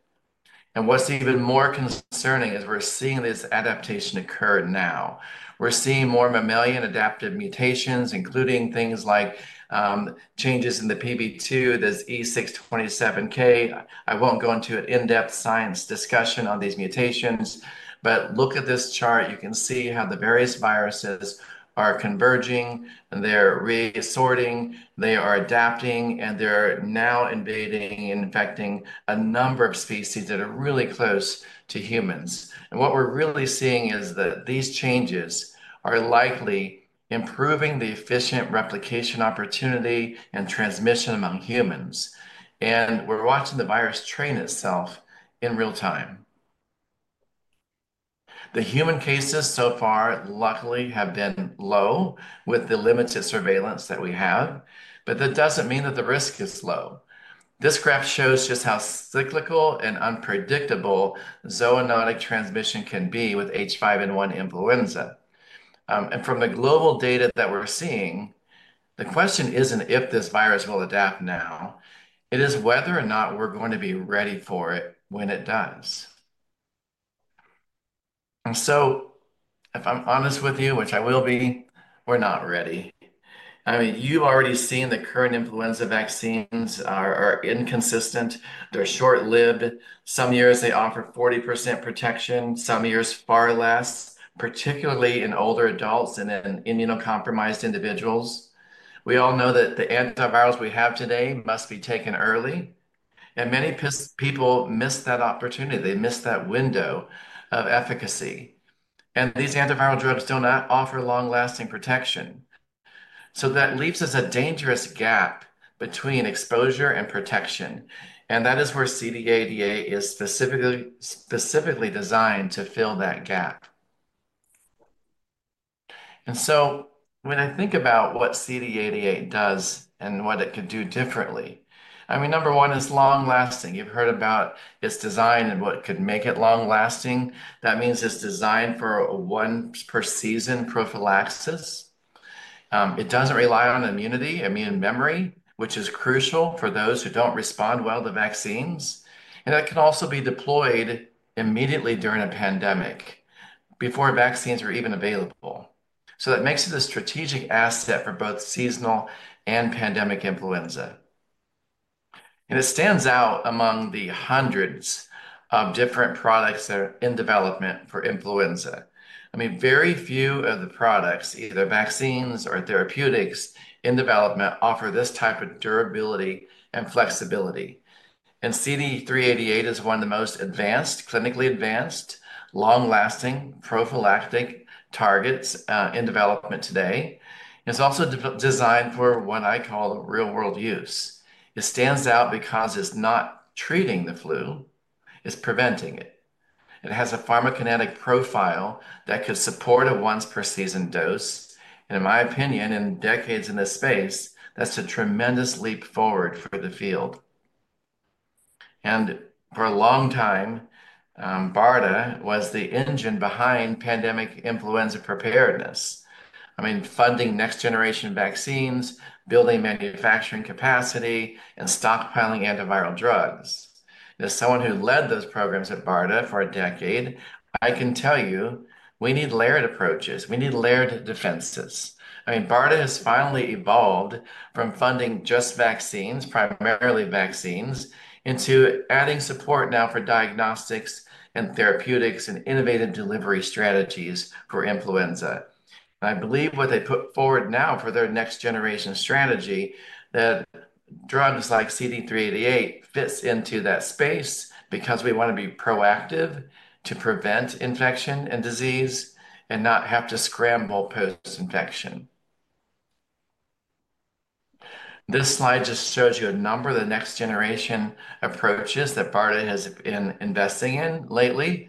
What's even more concerning is we're seeing this adaptation occur now. We're seeing more mammalian adaptive mutations, including things like changes in the PB2, this E627K. I won't go into an in-depth science discussion on these mutations, but look at this chart. You can see how the various viruses are converging, they're reassorting, they are adapting, and they're now invading and infecting a number of species that are really close to humans. What we're really seeing is that these changes are likely improving the efficient replication opportunity and transmission among humans. We're watching the virus train itself in real time. The human cases so far, luckily, have been low with the limited surveillance that we have, but that doesn't mean that the risk is low. This graph shows just how cyclical and unpredictable Zoonotic transmission can be with H5N1 influenza. From the global data that we're seeing, the question isn't if this virus will adapt now, it is whether or not we're going to be ready for it when it does. If I'm honest with you, which I will be, we're not ready. I mean, you've already seen the current influenza vaccines are inconsistent. They're short-lived. Some years they offer 40% protection, some years far less, particularly in older adults and in immunocompromised individuals. We all know that the antivirals we have today must be taken early. Many people miss that opportunity. They miss that window of efficacy. These antiviral drugs do not offer long-lasting protection. That leaves us a dangerous gap between exposure and protection. That is where CD388 is specifically designed to fill that gap. When I think about what CD388 does and what it could do differently, I mean, number one is long-lasting. You've heard about its design and what could make it long-lasting. That means it's designed for one per season prophylaxis. It doesn't rely on immunity, immune memory, which is crucial for those who don't respond well to vaccines. It can also be deployed immediately during a pandemic before vaccines were even available. That makes it a strategic asset for both seasonal and pandemic influenza. It stands out among the hundreds of different products that are in development for influenza. I mean, very few of the products, either vaccines or therapeutics in development, offer this type of durability and flexibility. CD388 is one of the most advanced, clinically advanced, long-lasting prophylactic targets in development today. It's also designed for what I call real-world use. It stands out because it's not treating the flu, it's preventing it. It has a pharmacokinetic profile that could support a once-per-season dose. In my opinion, in decades in this space, that's a tremendous leap forward for the field. For a long time, BARDA was the engine behind pandemic influenza preparedness. I mean, funding next-generation vaccines, building manufacturing capacity, and stockpiling antiviral drugs. As someone who led those programs at BARDA for a decade, I can tell you we need layered approaches. We need layered defenses. I mean, BARDA has finally evolved from funding just vaccines, primarily vaccines, into adding support now for diagnostics and therapeutics and innovative delivery strategies for influenza. I believe what they put forward now for their next-generation strategy, that drugs like CD388 fits into that space because we want to be proactive to prevent infection and disease and not have to scramble post-infection. This slide just shows you a number of the next-generation approaches that BARDA has been investing in lately,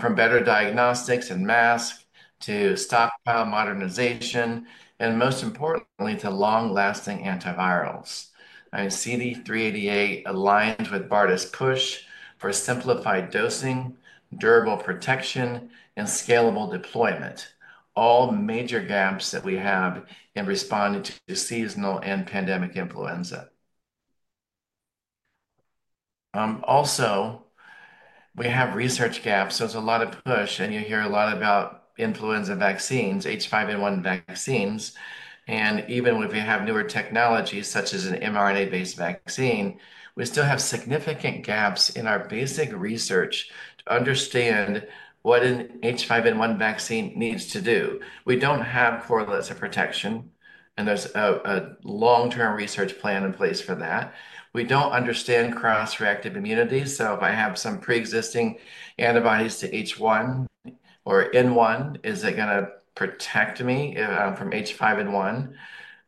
from better diagnostics and masks to stockpile modernization, and most importantly, to long-lasting antivirals. I mean, CD388 aligns with BARDA's push for simplified dosing, durable protection, and scalable deployment, all major gaps that we have in responding to seasonal and pandemic influenza. Also, we have research gaps. There is a lot of push, and you hear a lot about influenza vaccines, H5N1 vaccines. Even if we have newer technologies such as an mRNA-based vaccine, we still have significant gaps in our basic research to understand what an H5N1 vaccine needs to do. We don't have correlates of protection, and there's a long-term research plan in place for that. We don't understand cross-reactive immunity. If I have some pre-existing antibodies to H1 or N1, is it going to protect me from H5N1?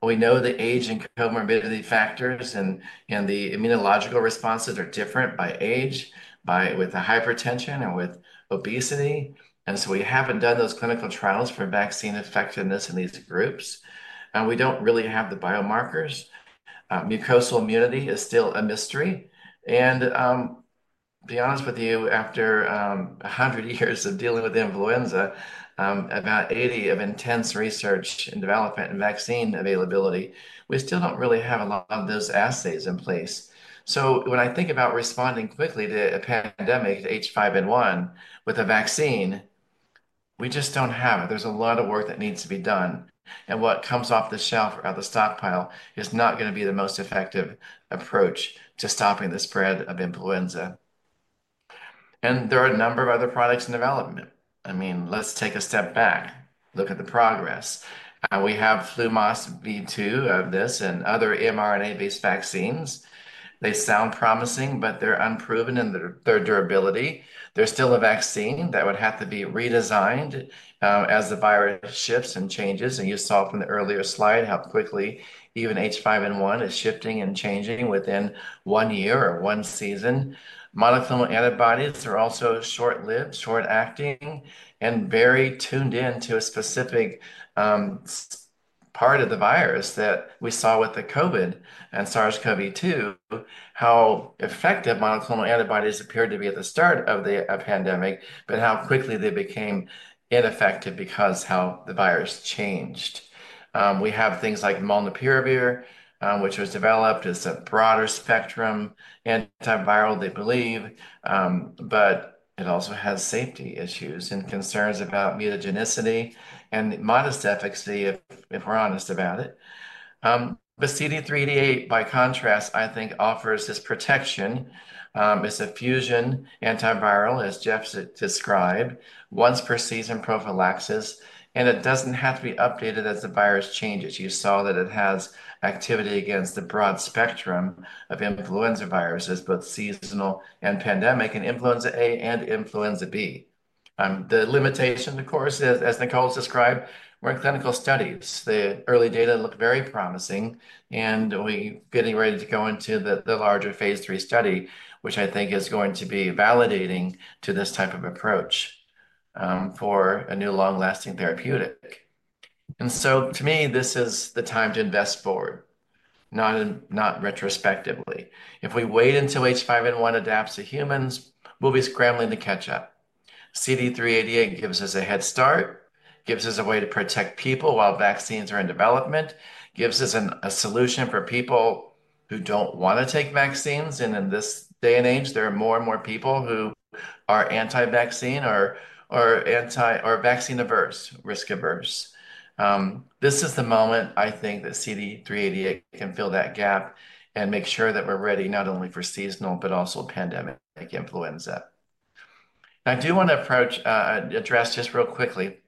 We know the age and comorbidity factors and the immunological responses are different by age, with hypertension and with obesity. We haven't done those clinical trials for vaccine effectiveness in these groups. We don't really have the biomarkers. Mucosal immunity is still a mystery. To be honest with you, after 100 years of dealing with influenza, about 80 of intense research and development and vaccine availability, we still don't really have a lot of those assays in place. When I think about responding quickly to a pandemic to H5N1 with a vaccine, we just don't have it. There's a lot of work that needs to be done. What comes off the shelf or out of the stockpile is not going to be the most effective approach to stopping the spread of influenza. There are a number of other products in development. I mean, let's take a step back, look at the progress. We have Flumas V2 of this and other mRNA-based vaccines. They sound promising, but they're unproven in their durability. They're still a vaccine that would have to be redesigned as the virus shifts and changes. You saw from the earlier slide how quickly even H5N1 is shifting and changing within one year or one season. Monoclonal antibodies are also short-lived, short-acting, and very tuned into a specific part of the virus that we saw with the COVID and SARS-CoV-2, how effective monoclonal antibodies appeared to be at the start of the pandemic, but how quickly they became ineffective because of how the virus changed. We have things like Molnupiravir, which was developed as a broader spectrum antiviral, they believe, but it also has safety issues and concerns about mutagenicity and modest efficacy if we're honest about it. CD388, by contrast, I think offers this protection. It's a fusion antiviral, as Jeff described, once-per-season prophylaxis, and it does not have to be updated as the virus changes. You saw that it has activity against the broad spectrum of influenza viruses, both seasonal and pandemic, and influenza A and influenza B. The limitation, of course, is, as Nicole described, we're in clinical studies. The early data look very promising, and we're getting ready to go into the larger phase three study, which I think is going to be validating to this type of approach for a new long-lasting therapeutic. To me, this is the time to invest forward, not retrospectively. If we wait until H5N1 adapts to humans, we'll be scrambling to catch up. CD388 gives us a head start, gives us a way to protect people while vaccines are in development, gives us a solution for people who don't want to take vaccines. In this day and age, there are more and more people who are anti-vaccine or vaccine-averse, risk-averse. This is the moment, I think, that CD388 can fill that gap and make sure that we're ready not only for seasonal, but also pandemic influenza. I do want to address just real quickly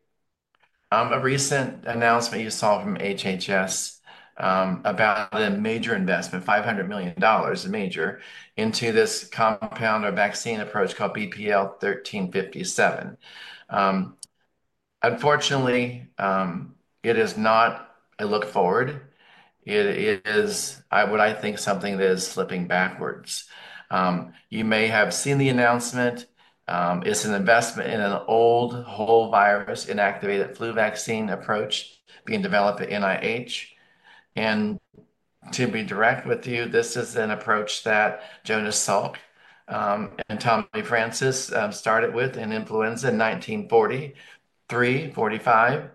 a recent announcement you saw from HHS about the major investment, $500 million, a major, into this compound or vaccine approach called BPL1357. Unfortunately, it is not a look forward. It is, I would, I think, something that is slipping backwards. You may have seen the announcement. It's an investment in an old whole virus inactivated flu vaccine approach being developed at NIH. And to be direct with you, this is an approach that Jonas Salk and Thomas Francis started with in influenza in 1943, 1945.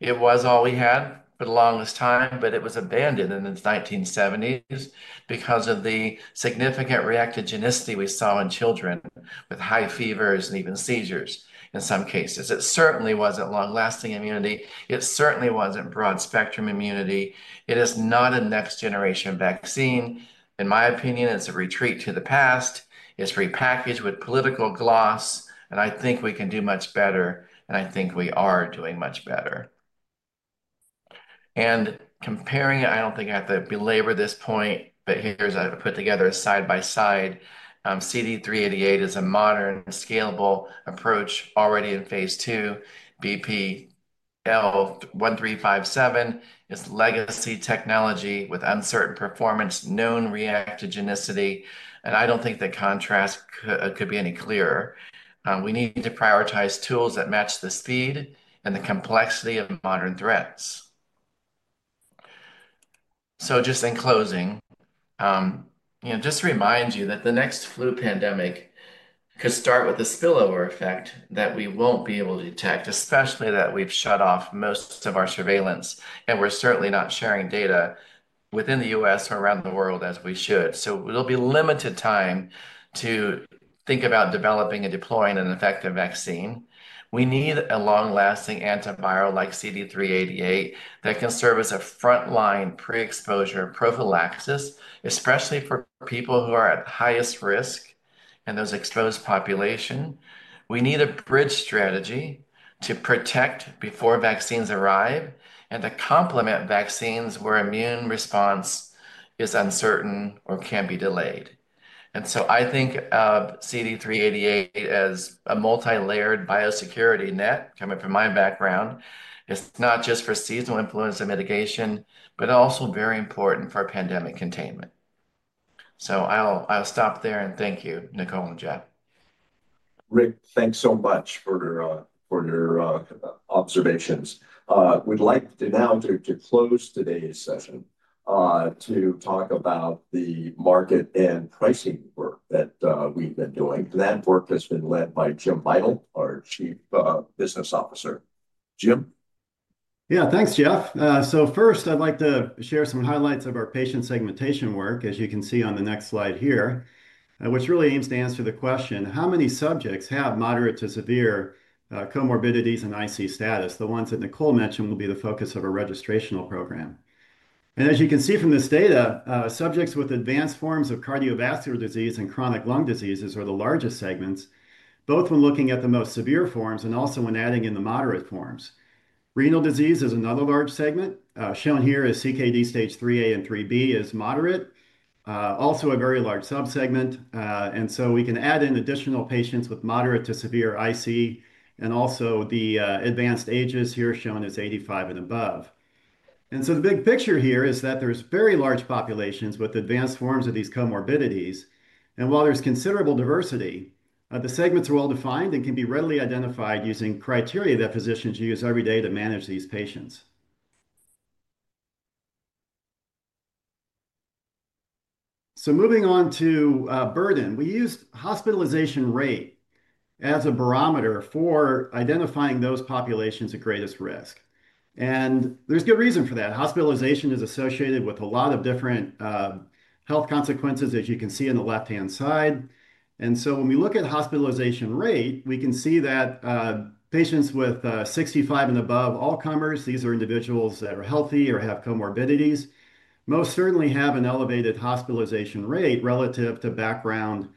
It was all we had for the longest time, but it was abandoned in the 1970s because of the significant reactogenicity we saw in children with high fevers and even seizures in some cases. It certainly wasn't long-lasting immunity. It certainly wasn't broad-spectrum immunity. It is not a next-generation vaccine. In my opinion, it's a retreat to the past. It's repackaged with political gloss. I think we can do much better. I think we are doing much better. Comparing, I don't think I have to belabor this point, but here I've put together side by side. CD388 is a modern, scalable approach already in phase two. BPL1357 is legacy technology with uncertain performance, known reactogenicity. I don't think the contrast could be any clearer. We need to prioritize tools that match the speed and the complexity of modern threats. Just in closing, just to remind you that the next flu pandemic could start with the spillover effect that we won't be able to detect, especially that we've shut off most of our surveillance and we're certainly not sharing data within the U.S. or around the world as we should. It'll be limited time to think about developing and deploying an effective vaccine. We need a long-lasting antiviral like CD388 that can serve as a frontline pre-exposure prophylaxis, especially for people who are at highest risk and those exposed population. We need a bridge strategy to protect before vaccines arrive and to complement vaccines where immune response is uncertain or can be delayed. I think of CD388 as a multi-layered biosecurity net, coming from my background. It's not just for seasonal influenza mitigation, but also very important for pandemic containment. I'll stop there and thank you, Nicole and Jeff. Rick, thanks so much for your observations. We'd like now to close today's session to talk about the market and pricing work that we've been doing. That work has been led by Jim Beitel, our Chief Business Officer. Jim? Yeah, thanks, Jeff. First, I'd like to share some highlights of our patient segmentation work, as you can see on the next slide here, which really aims to answer the question, how many subjects have moderate to severe comorbidities and IC status? The ones that Nicole mentioned will be the focus of our registrational program. As you can see from this data, subjects with advanced forms of cardiovascular disease and chronic lung diseases are the largest segments, both when looking at the most severe forms and also when adding in the moderate forms. Renal disease is another large segment. Shown here is CKD stage 3A and 3B as moderate, also a very large subsegment. We can add in additional patients with moderate to severe IC, and also the advanced ages here shown as 85 and above. The big picture here is that there's very large populations with advanced forms of these comorbidities. While there's considerable diversity, the segments are well defined and can be readily identified using criteria that physicians use every day to manage these patients. Moving on to burden, we used hospitalization rate as a barometer for identifying those populations at greatest risk. There's good reason for that. Hospitalization is associated with a lot of different health consequences, as you can see on the left-hand side. When we look at hospitalization rate, we can see that patients with 65 and above, all comers, these are individuals that are healthy or have comorbidities, most certainly have an elevated hospitalization rate relative to background,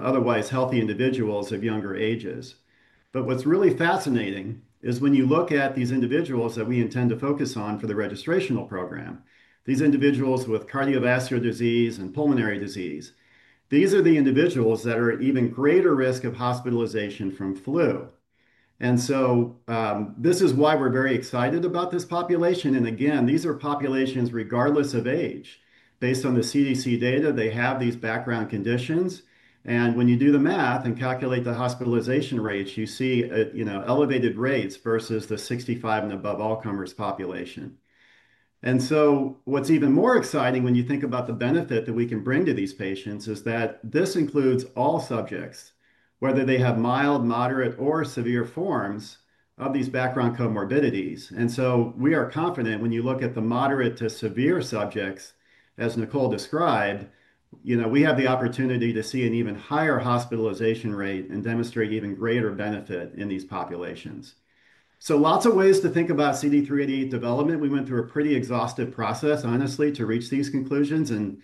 otherwise healthy individuals of younger ages. What's really fascinating is when you look at these individuals that we intend to focus on for the registrational program, these individuals with cardiovascular disease and pulmonary disease, these are the individuals that are at even greater risk of hospitalization from flu. This is why we're very excited about this population. Again, these are populations regardless of age. Based on the CDC data, they have these background conditions. When you do the math and calculate the hospitalization rates, you see elevated rates versus the 65 and above all comers population. What's even more exciting when you think about the benefit that we can bring to these patients is that this includes all subjects, whether they have mild, moderate, or severe forms of these background comorbidities. We are confident when you look at the moderate to severe subjects, as Nicole described, we have the opportunity to see an even higher hospitalization rate and demonstrate even greater benefit in these populations. Lots of ways to think about CD388 development. We went through a pretty exhaustive process, honestly, to reach these conclusions. There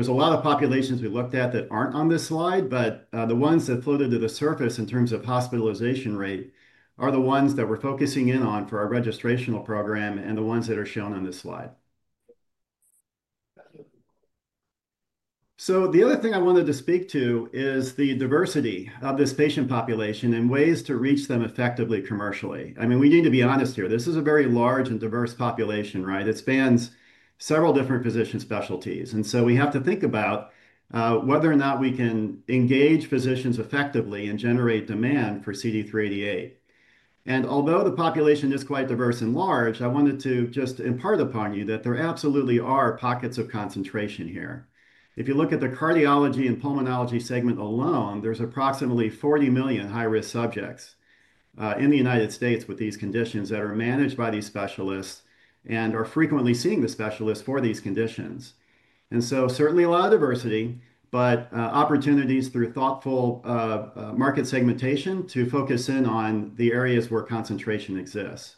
are a lot of populations we looked at that are not on this slide, but the ones that floated to the surface in terms of hospitalization rate are the ones that we are focusing in on for our registrational program and the ones that are shown on this slide. The other thing I wanted to speak to is the diversity of this patient population and ways to reach them effectively commercially. I mean, we need to be honest here. This is a very large and diverse population, right? It spans several different physician specialties. We have to think about whether or not we can engage physicians effectively and generate demand for CD388. Although the population is quite diverse and large, I wanted to just impart upon you that there absolutely are pockets of concentration here. If you look at the cardiology and pulmonology segment alone, there are approximately 40 million high-risk subjects in the United States with these conditions that are managed by these specialists and are frequently seeing the specialists for these conditions. Certainly a lot of diversity, but opportunities through thoughtful market segmentation to focus in on the areas where concentration exists.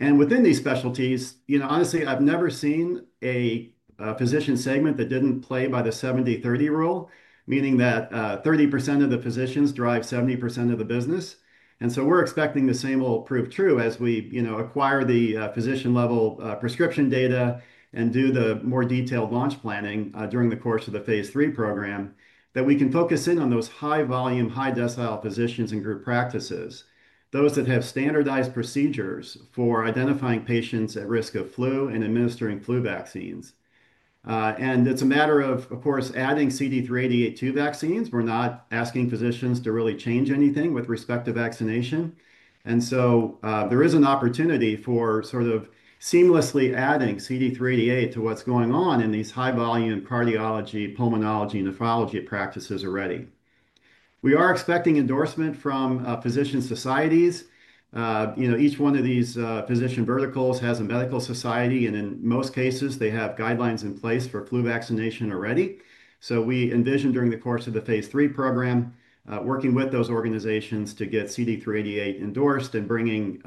Within these specialties, honestly, I have never seen a physician segment that did not play by the 70-30 rule, meaning that 30% of the physicians drive 70% of the business. We're expecting the same will prove true as we acquire the physician-level prescription data and do the more detailed launch planning during the course of the phase three program, that we can focus in on those high-volume, high-decile physicians and group practices, those that have standardized procedures for identifying patients at risk of flu and administering flu vaccines. It's a matter of, of course, adding CD388 to vaccines. We're not asking physicians to really change anything with respect to vaccination. There is an opportunity for sort of seamlessly adding CD388 to what's going on in these high-volume cardiology, pulmonology, and nephrology practices already. We are expecting endorsement from physician societies. Each one of these physician verticals has a medical society, and in most cases, they have guidelines in place for flu vaccination already. We envision during the course of the phase three program, working with those organizations to get CD388 endorsed and bringing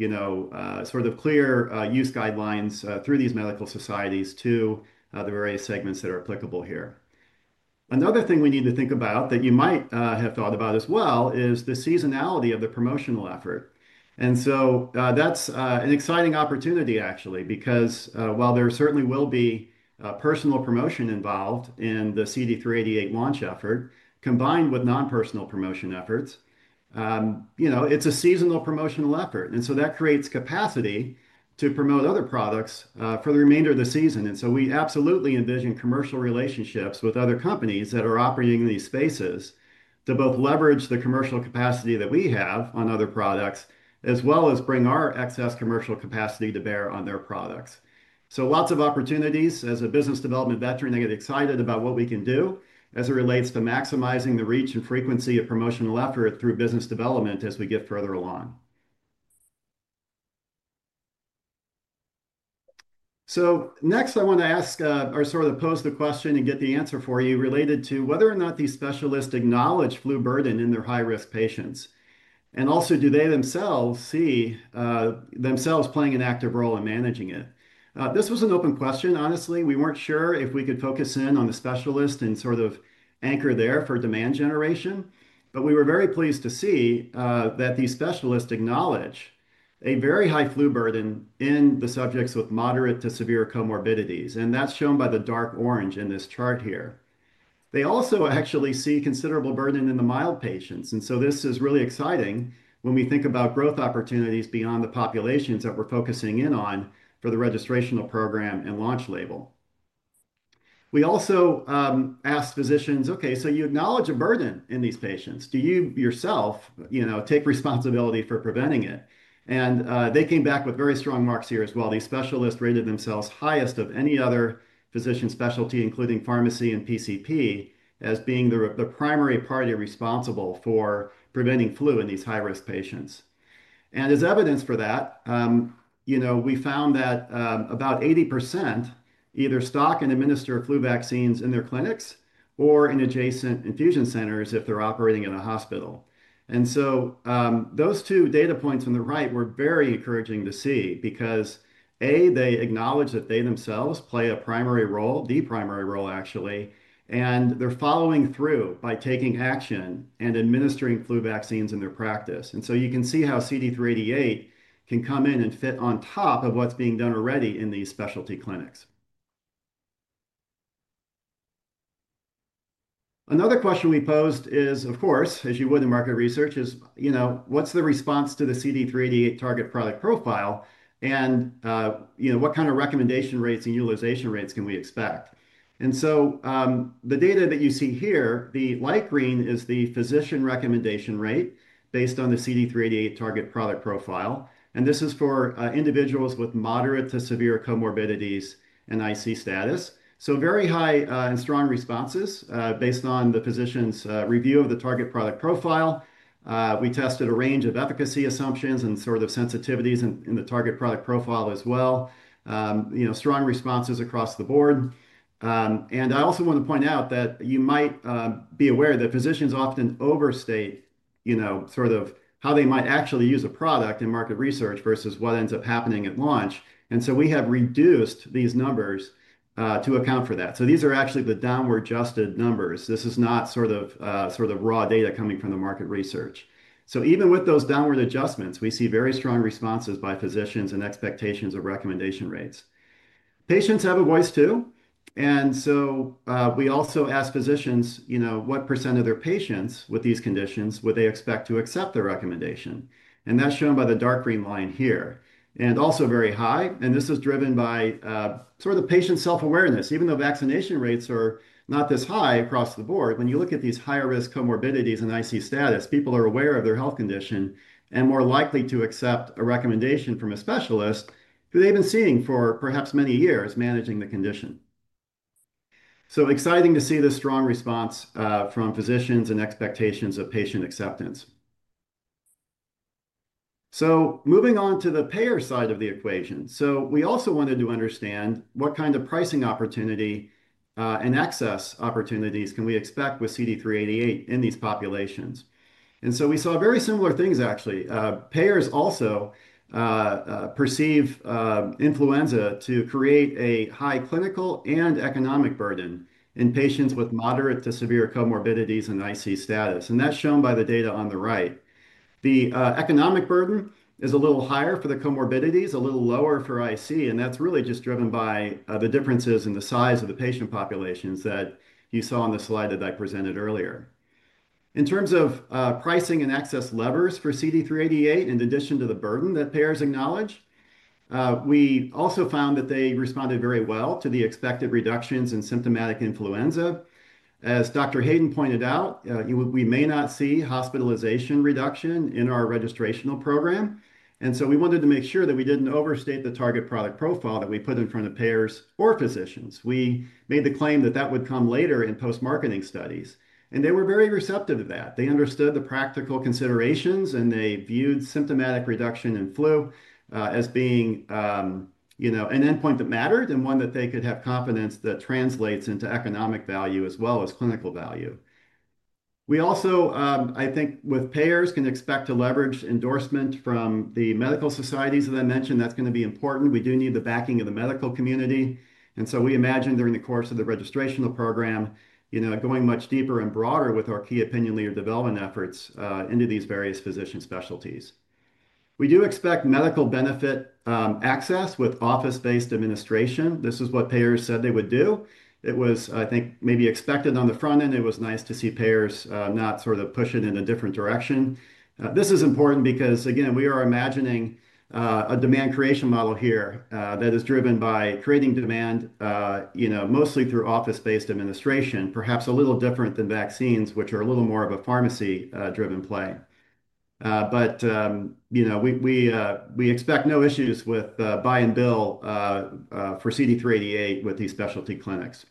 sort of clear use guidelines through these medical societies to the various segments that are applicable here. Another thing we need to think about that you might have thought about as well is the seasonality of the promotional effort. That's an exciting opportunity, actually, because while there certainly will be personal promotion involved in the CD388 launch effort, combined with non-personal promotion efforts, it's a seasonal promotional effort. That creates capacity to promote other products for the remainder of the season. We absolutely envision commercial relationships with other companies that are operating in these spaces to both leverage the commercial capacity that we have on other products, as well as bring our excess commercial capacity to bear on their products. Lots of opportunities as a business development veteran to get excited about what we can do as it relates to maximizing the reach and frequency of promotional effort through business development as we get further along. Next, I want to ask or sort of pose the question and get the answer for you related to whether or not these specialists acknowledge flu burden in their high-risk patients. Also, do they themselves see themselves playing an active role in managing it? This was an open question. Honestly, we were not sure if we could focus in on the specialist and sort of anchor there for demand generation. We were very pleased to see that these specialists acknowledge a very high flu burden in the subjects with moderate to severe comorbidities. That is shown by the dark orange in this chart here. They also actually see considerable burden in the mild patients. This is really exciting when we think about growth opportunities beyond the populations that we're focusing in on for the registrational program and launch label. We also asked physicians, "Okay, so you acknowledge a burden in these patients. Do you yourself take responsibility for preventing it?" They came back with very strong marks here as well. These specialists rated themselves highest of any other physician specialty, including pharmacy and PCP, as being the primary party responsible for preventing flu in these high-risk patients. As evidence for that, we found that about 80% either stock and administer flu vaccines in their clinics or in adjacent infusion centers if they're operating in a hospital. Those two data points on the right were very encouraging to see because, A, they acknowledge that they themselves play a primary role, the primary role, actually, and they're following through by taking action and administering flu vaccines in their practice. You can see how CD388 can come in and fit on top of what's being done already in these specialty clinics. Another question we posed is, of course, as you would in market research, what's the response to the CD388 target product profile? What kind of recommendation rates and utilization rates can we expect? The data that you see here, the light green is the physician recommendation rate based on the CD388 target product profile. This is for individuals with moderate to severe comorbidities and IC status. Very high and strong responses based on the physician's review of the target product profile. We tested a range of efficacy assumptions and sort of sensitivities in the target product profile as well. Strong responses across the board. I also want to point out that you might be aware that physicians often overstate sort of how they might actually use a product in market research versus what ends up happening at launch. We have reduced these numbers to account for that. These are actually the downward adjusted numbers. This is not sort of raw data coming from the market research. Even with those downward adjustments, we see very strong responses by physicians and expectations of recommendation rates. Patients have a voice too. We also ask physicians what % of their patients with these conditions would they expect to accept their recommendation. That is shown by the dark green line here. Also, very high. This is driven by sort of the patient self-awareness. Even though vaccination rates are not this high across the board, when you look at these higher-risk comorbidities and IC status, people are aware of their health condition and more likely to accept a recommendation from a specialist who they have been seeing for perhaps many years managing the condition. Exciting to see the strong response from physicians and expectations of patient acceptance. Moving on to the payer side of the equation. We also wanted to understand what kind of pricing opportunity and access opportunities we can expect with CD388 in these populations. We saw very similar things, actually. Payers also perceive influenza to create a high clinical and economic burden in patients with moderate to severe comorbidities and IC status. That is shown by the data on the right. The economic burden is a little higher for the comorbidities, a little lower for IC. That is really just driven by the differences in the size of the patient populations that you saw on the slide that I presented earlier. In terms of pricing and access levers for CD388, in addition to the burden that payers acknowledge, we also found that they responded very well to the expected reductions in symptomatic influenza. As Dr. Hayden pointed out, we may not see hospitalization reduction in our registrational program. We wanted to make sure that we did not overstate the target product profile that we put in front of payers or physicians. We made the claim that that would come later in post-marketing studies. They were very receptive to that. They understood the practical considerations, and they viewed symptomatic reduction in flu as being an endpoint that mattered and one that they could have confidence that translates into economic value as well as clinical value. We also, I think, with payers can expect to leverage endorsement from the medical societies that I mentioned. That is going to be important. We do need the backing of the medical community. We imagine during the course of the registrational program, going much deeper and broader with our key opinion leader development efforts into these various physician specialties. We do expect medical benefit access with office-based administration. This is what payers said they would do. It was, I think, maybe expected on the front end. It was nice to see payers not sort of push it in a different direction. This is important because, again, we are imagining a demand creation model here that is driven by creating demand mostly through office-based administration, perhaps a little different than vaccines, which are a little more of a pharmacy-driven play. We expect no issues with buy and bill for CD388 with these specialty clinics.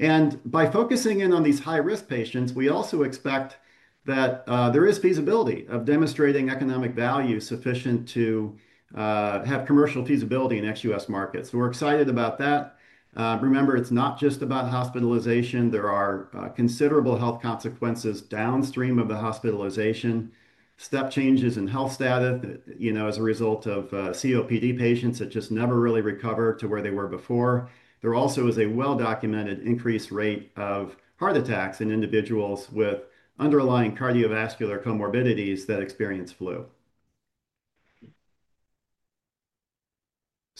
By focusing in on these high-risk patients, we also expect that there is feasibility of demonstrating economic value sufficient to have commercial feasibility in XUS markets. We're excited about that. Remember, it's not just about hospitalization. There are considerable health consequences downstream of the hospitalization, step changes in health status as a result of COPD patients that just never really recovered to where they were before. There also is a well-documented increased rate of heart attacks in individuals with underlying cardiovascular comorbidities that experience flu.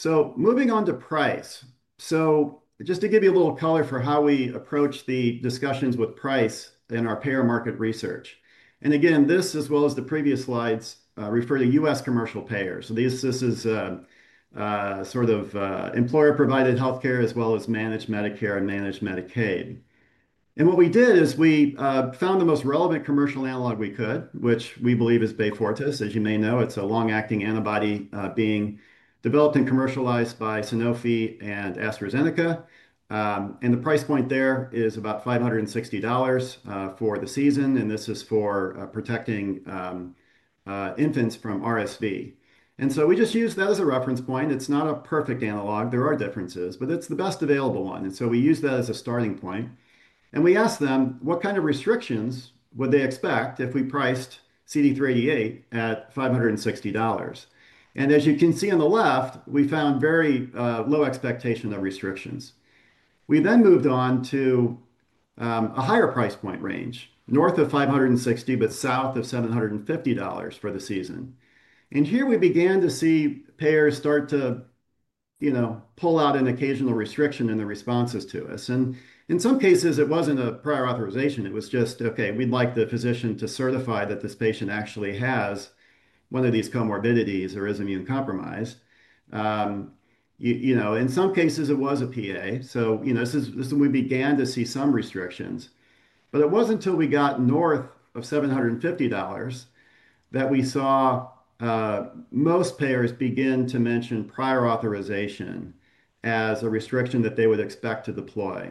Moving on to price. Just to give you a little color for how we approach the discussions with price in our payer market research. Again, this, as well as the previous slides, refer to U.S. commercial payers. This is sort of employer-provided healthcare as well as managed Medicare and managed Medicaid. What we did is we found the most relevant commercial analog we could, which we believe is Beyfortus. As you may know, it's a long-acting antibody being developed and commercialized by Sanofi and AstraZeneca. The price point there is about $560 for the season. This is for protecting infants from RSV. We just use that as a reference point. It's not a perfect analog. There are differences, but it's the best available one. We use that as a starting point. We asked them what kind of restrictions would they expect if we priced CD388 at $560. As you can see on the left, we found very low expectation of restrictions. We then moved on to a higher price point range, north of $560 but south of $750 for the season. Here we began to see payers start to pull out an occasional restriction in their responses to us. In some cases, it was not a prior authorization. It was just, "Okay, we'd like the physician to certify that this patient actually has one of these comorbidities or is immune compromised." In some cases, it was a PA. This is when we began to see some restrictions. It was not until we got north of $750 that we saw most payers begin to mention prior authorization as a restriction that they would expect to deploy.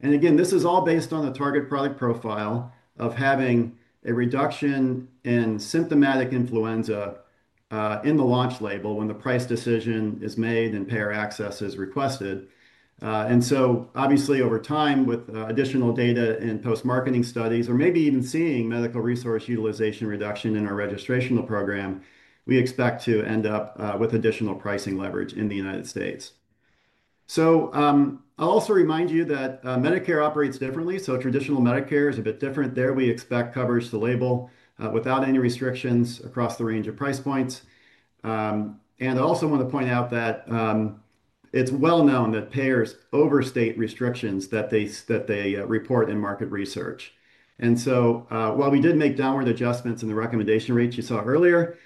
This is all based on the target product profile of having a reduction in symptomatic influenza in the launch label when the price decision is made and payer access is requested. Obviously, over time, with additional data in post-marketing studies, or maybe even seeing medical resource utilization reduction in our registrational program, we expect to end up with additional pricing leverage in the United States. I'll also remind you that Medicare operates differently. Traditional Medicare is a bit different there. We expect coverage to label without any restrictions across the range of price points. I also want to point out that it's well known that payers overstate restrictions that they report in market research. While we did make downward adjustments in the recommendation rate you saw earlier,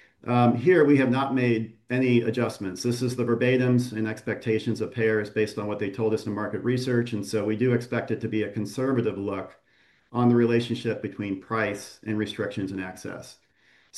here we have not made any adjustments. This is the verbatims and expectations of payers based on what they told us in market research. We do expect it to be a conservative look on the relationship between price and restrictions and access.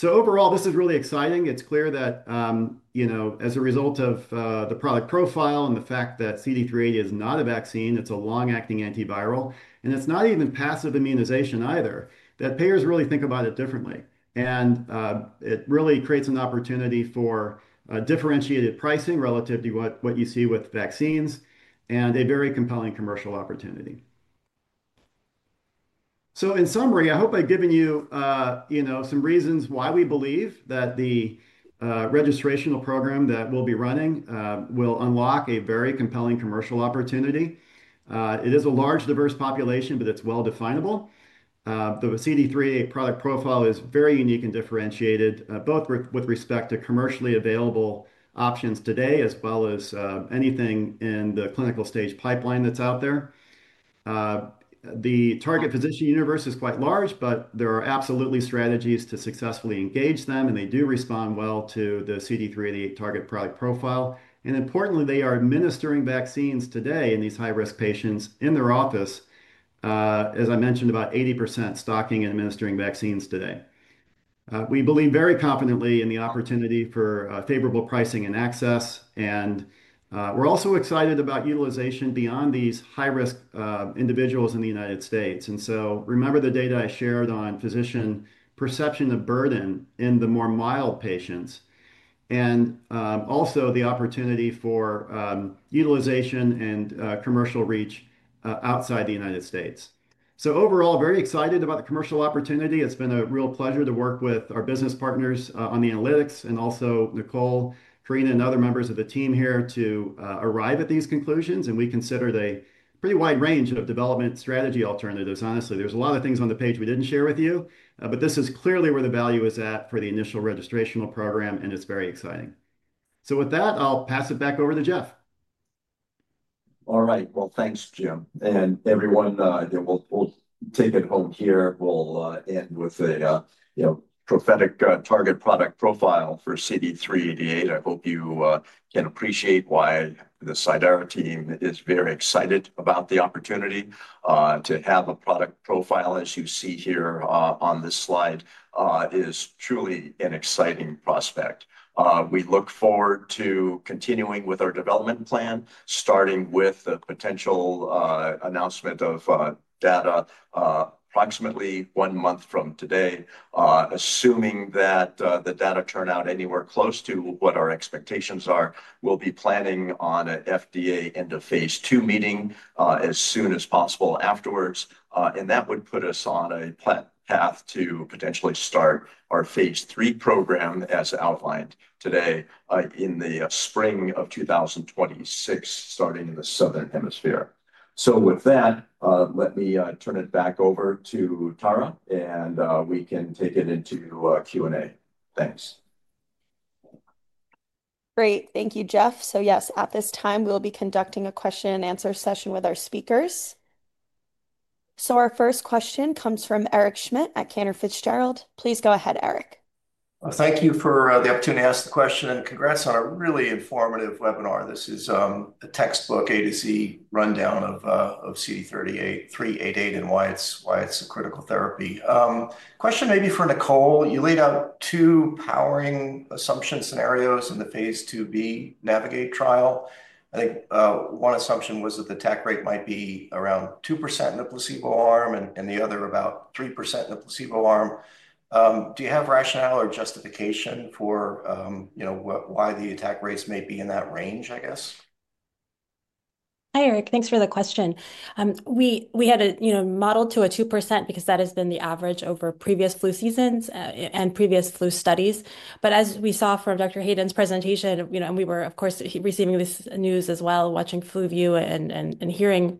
Overall, this is really exciting. It is clear that as a result of the product profile and the fact that CD388 is not a vaccine, it is a long-acting antiviral, and it is not even passive immunization either, that payers really think about it differently. It really creates an opportunity for differentiated pricing relative to what you see with vaccines and a very compelling commercial opportunity. In summary, I hope I have given you some reasons why we believe that the registrational program that we will be running will unlock a very compelling commercial opportunity. It is a large, diverse population, but it is well definable. The CD388 product profile is very unique and differentiated, both with respect to commercially available options today as well as anything in the clinical stage pipeline that's out there. The target physician universe is quite large, but there are absolutely strategies to successfully engage them, and they do respond well to the CD388 target product profile. Importantly, they are administering vaccines today in these high-risk patients in their office, as I mentioned, about 80% stocking and administering vaccines today. We believe very confidently in the opportunity for favorable pricing and access. We're also excited about utilization beyond these high-risk individuals in the United States. Remember the data I shared on physician perception of burden in the more mild patients and also the opportunity for utilization and commercial reach outside the United States. Overall, very excited about the commercial opportunity. It's been a real pleasure to work with our business partners on the analytics and also Nicole, Corina, and other members of the team here to arrive at these conclusions. We considered a pretty wide range of development strategy alternatives. Honestly, there's a lot of things on the page we didn't share with you, but this is clearly where the value is at for the initial registrational program, and it's very exciting. With that, I'll pass it back over to Jeff. All right. Thanks, Jim. Everyone, we'll take it home here. We'll end with a prophetic target product profile for CD388. I hope you can appreciate why the Cidara team is very excited about the opportunity to have a product profile, as you see here on this slide, is truly an exciting prospect. We look forward to continuing with our development plan, starting with the potential announcement of data approximately one month from today, assuming that the data turnout anywhere close to what our expectations are. We'll be planning on an FDA end-of-phase two meeting as soon as possible afterwards. That would put us on a path to potentially start our phase three program as outlined today in the spring of 2026, starting in the Southern Hemisphere. With that, let me turn it back over to Tara, and we can take it into Q&A. Thanks. Great. Thank you, Jeff. Yes, at this time, we'll be conducting a question-and-answer session with our speakers. Our first question comes from Eric Schmidt at Cantor Fitzgerald. Please go ahead, Eric. Thank you for the opportunity to ask the question and congrats on a really informative webinar. This is a textbook A to Z rundown of CD388 and why it's a critical therapy. Question maybe for Nicole. You laid out two powering assumption scenarios in the phase 2B Navigate trial. I think one assumption was that the attack rate might be around 2% in the placebo arm and the other about 3% in the placebo arm. Do you have rationale or justification for why the attack rates may be in that range, I guess? Hi, Eric. Thanks for the question. We had a model to a 2% because that has been the average over previous flu seasons and previous flu studies. As we saw from Dr. Hayden's presentation, and we were, of course, receiving this news as well, watching FluView and hearing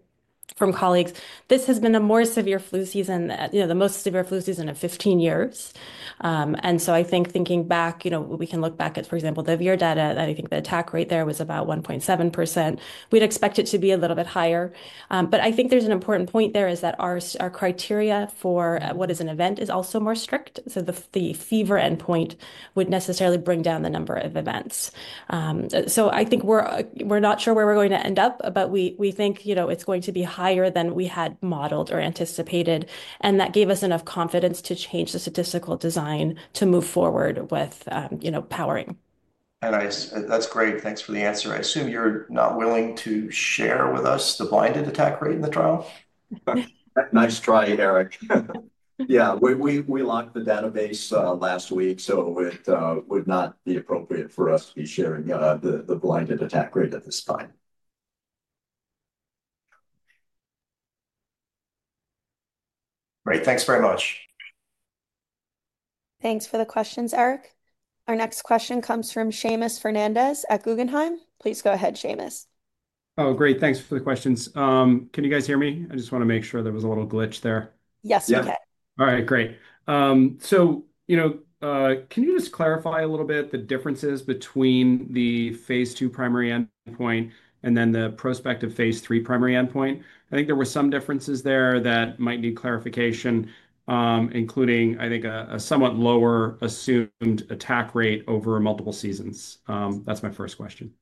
from colleagues, this has been a more severe flu season, the most severe flu season in 15 years. I think thinking back, we can look back at, for example, the VIR data, that I think the attack rate there was about 1.7%. We'd expect it to be a little bit higher. I think there's an important point there is that our criteria for what is an event is also more strict. The fever endpoint would necessarily bring down the number of events. I think we're not sure where we're going to end up, but we think it's going to be higher than we had modeled or anticipated. That gave us enough confidence to change the statistical design to move forward with powering. That's great. Thanks for the answer. I assume you're not willing to share with us the blinded attack rate in the trial. Nice try, Eric. Yeah, we locked the database last week, so it would not be appropriate for us to be sharing the blinded attack rate at this time. Great. Thanks very much. Thanks for the questions, Eric. Our next question comes from Seamus Fernandez at Guggenheim. Please go ahead, Seamus. Oh, great. Thanks for the questions. Can you guys hear me? I just want to make sure there was a little glitch there. Yes, we can. All right, great. Can you just clarify a little bit the differences between the phase two primary endpoint and then the prospective phase three primary endpoint? I think there were some differences there that might need clarification, including, I think, a somewhat lower assumed attack rate over multiple seasons. That's my first question.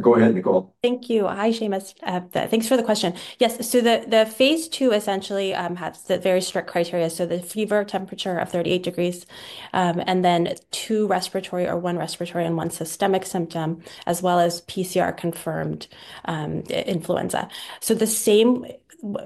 Go ahead, Nicole. Thank you. Hi, Seamus. Thanks for the question. Yes. The phase two essentially has very strict criteria. The fever temperature of 38 degrees and then two respiratory or one respiratory and one systemic symptom, as well as PCR-confirmed influenza. The same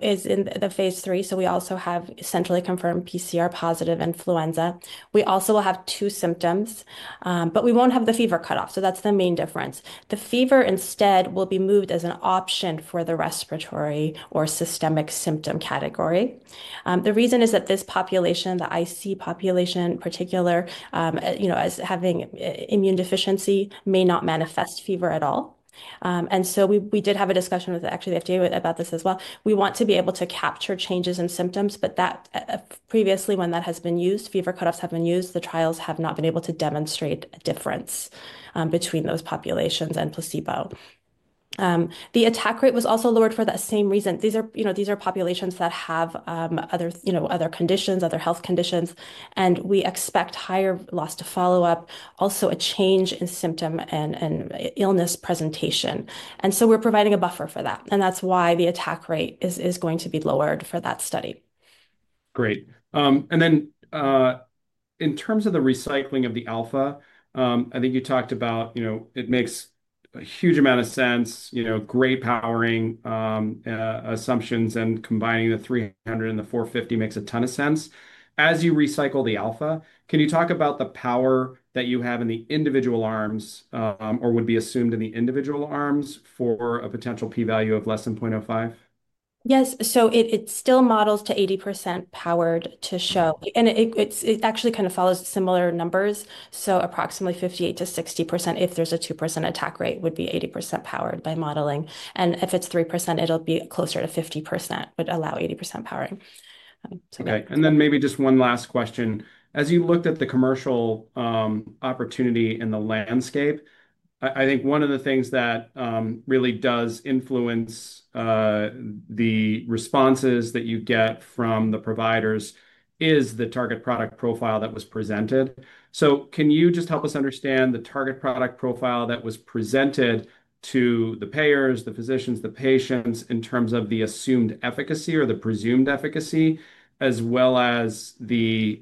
is in the phase three. We also have centrally confirmed PCR-positive influenza. We also will have two symptoms, but we will not have the fever cutoff. That is the main difference. The fever instead will be moved as an option for the respiratory or systemic symptom category. The reason is that this population, the IC population in particular, as having immune deficiency, may not manifest fever at all. We did have a discussion with, actually, the FDA about this as well. We want to be able to capture changes in symptoms, but previously, when that has been used, fever cutoffs have been used, the trials have not been able to demonstrate a difference between those populations and placebo. The attack rate was also lowered for that same reason. These are populations that have other conditions, other health conditions, and we expect higher loss to follow up, also a change in symptom and illness presentation. We are providing a buffer for that. That is why the attack rate is going to be lowered for that study. Great. In terms of the recycling of the alpha, I think you talked about it makes a huge amount of sense. Great powering assumptions and combining the 300 and the 450 makes a ton of sense. As you recycle the alpha, can you talk about the power that you have in the individual arms or would be assumed in the individual arms for a potential p-value of less than 0.05? Yes. It still models to 80% powered to show. It actually kind of follows similar numbers. Approximately 58%-60%, if there's a 2% attack rate, would be 80% powered by modeling. If it's 3%, it'll be closer to 50%, would allow 80% powering. Okay. Maybe just one last question. As you looked at the commercial opportunity in the landscape, I think one of the things that really does influence the responses that you get from the providers is the target product profile that was presented. Can you just help us understand the target product profile that was presented to the payers, the physicians, the patients in terms of the assumed efficacy or the presumed efficacy, as well as the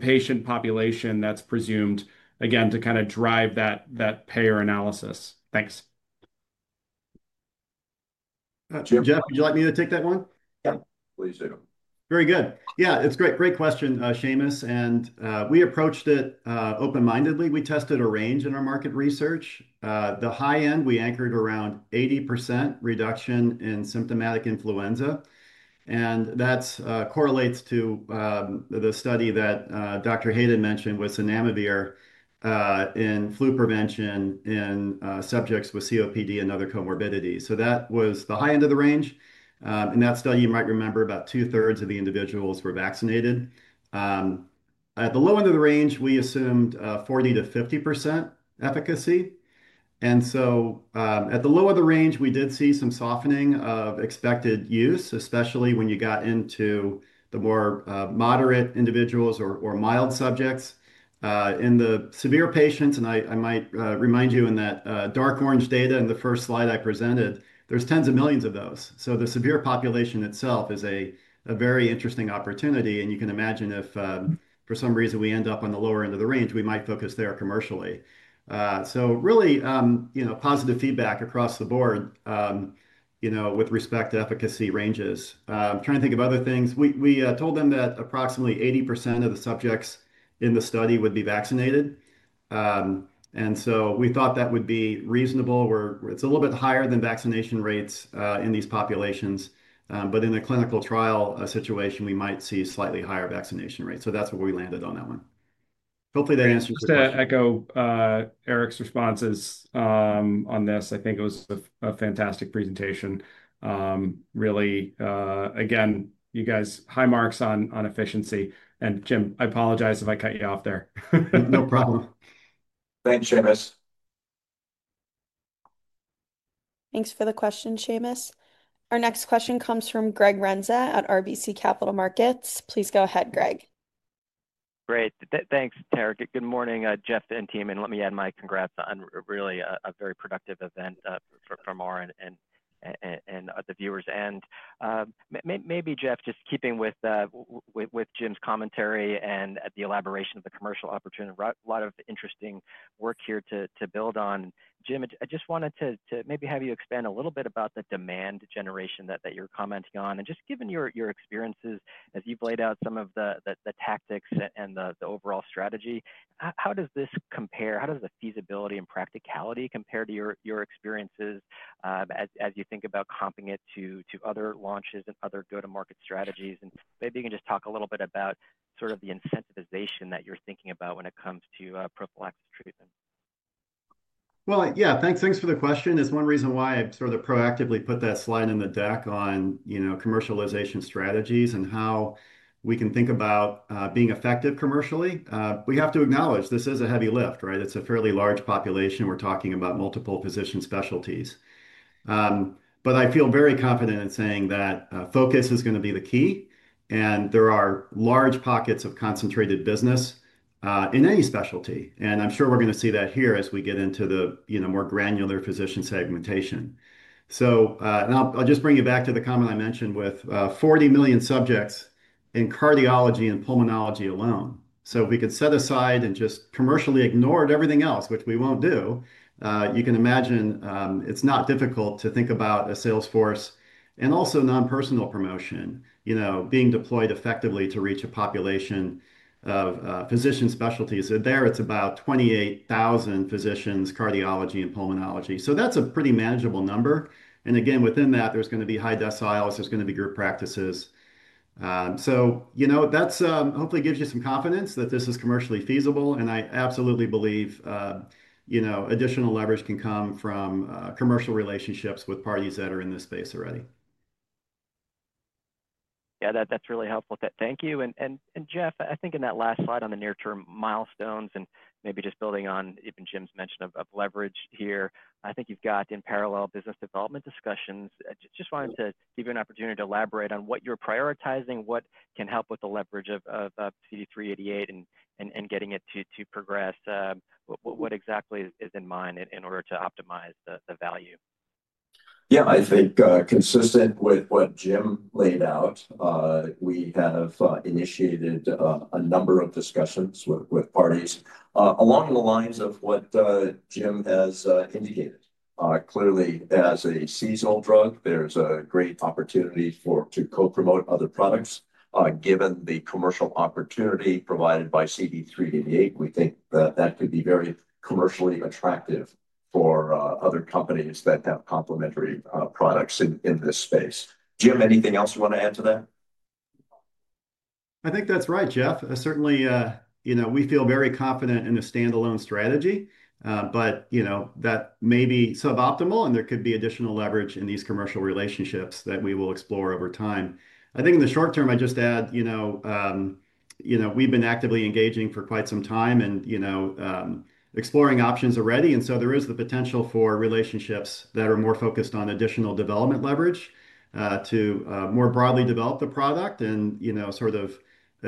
patient population that's presumed, again, to kind of drive that payer analysis? Thanks. Jeff, would you like me to take that one? Yeah. Please do. Very good. Yeah, it's great. Great question, Seamus. We approached it open-mindedly. We tested a range in our market research. The high end, we anchored around 80% reduction in symptomatic influenza. That correlates to the study that Dr. Hayden mentioned with zanamivir in flu prevention in subjects with COPD and other comorbidities. That was the high end of the range. In that study, you might remember about two-thirds of the individuals were vaccinated. At the low end of the range, we assumed 40%-50% efficacy. At the low of the range, we did see some softening of expected use, especially when you got into the more moderate individuals or mild subjects. In the severe patients, and I might remind you in that dark orange data in the first slide I presented, there are tens of millions of those. The severe population itself is a very interesting opportunity. You can imagine if, for some reason, we end up on the lower end of the range, we might focus there commercially. Really, positive feedback across the board with respect to efficacy ranges. Trying to think of other things. We told them that approximately 80% of the subjects in the study would be vaccinated. We thought that would be reasonable. It is a little bit higher than vaccination rates in these populations. In a clinical trial situation, we might see slightly higher vaccination rates. That is where we landed on that one. Hopefully, that answers your question. Just to echo Eric's responses on this, I think it was a fantastic presentation. Really, again, you guys, high marks on efficiency. Jim, I apologize if I cut you off there. No problem. Thanks, Seamus. Thanks for the question, Seamus. Our next question comes from Greg Renza at RBC Capital Markets.Please go ahead, Greg. Great. Thanks, Tara. Good morning, Jeff and team. And let me add my congrats on really a very productive event from our and the viewers. Maybe, Jeff, just keeping with Jim's commentary and the elaboration of the commercial opportunity, a lot of interesting work here to build on. Jim, I just wanted to maybe have you expand a little bit about the demand generation that you're commenting on. Just given your experiences as you've laid out some of the tactics and the overall strategy, how does this compare? How does the feasibility and practicality compare to your experiences as you think about comping it to other launches and other go-to-market strategies? Maybe you can just talk a little bit about sort of the incentivization that you're thinking about when it comes to prophylaxis treatment. Yeah, thanks for the question. It's one reason why I sort of proactively put that slide in the deck on commercialization strategies and how we can think about being effective commercially. We have to acknowledge this is a heavy lift, right? It's a fairly large population. We're talking about multiple physician specialties. I feel very confident in saying that focus is going to be the key. There are large pockets of concentrated business in any specialty. I'm sure we're going to see that here as we get into the more granular physician segmentation. I'll just bring you back to the comment I mentioned with 40 million subjects in cardiology and pulmonology alone. If we could set aside and just commercially ignored everything else, which we won't do, you can imagine it's not difficult to think about a salesforce and also non-personal promotion being deployed effectively to reach a population of physician specialties. There, it's about 28,000 physicians, cardiology and pulmonology. That's a pretty manageable number. Again, within that, there's going to be high deciles. There's going to be group practices. That hopefully gives you some confidence that this is commercially feasible. I absolutely believe additional leverage can come from commercial relationships with parties that are in this space already. Yeah, that's really helpful. Thank you. Jeff, I think in that last slide on the near-term milestones and maybe just building on even Jim's mention of leverage here, I think you've got in parallel business development discussions. Just wanted to give you an opportunity to elaborate on what you're prioritizing, what can help with the leverage of CD388 and getting it to progress. What exactly is in mind in order to optimize the value? Yeah, I think consistent with what Jim laid out, we have initiated a number of discussions with parties along the lines of what Jim has indicated. Clearly, as a seasonal drug, there's a great opportunity to co-promote other products. Given the commercial opportunity provided by CD388, we think that that could be very commercially attractive for other companies that have complementary products in this space. Jim, anything else you want to add to that? I think that's right, Jeff. Certainly, we feel very confident in a standalone strategy, but that may be suboptimal, and there could be additional leverage in these commercial relationships that we will explore over time. I think in the short term, I just add we've been actively engaging for quite some time and exploring options already. There is the potential for relationships that are more focused on additional development leverage to more broadly develop the product and sort of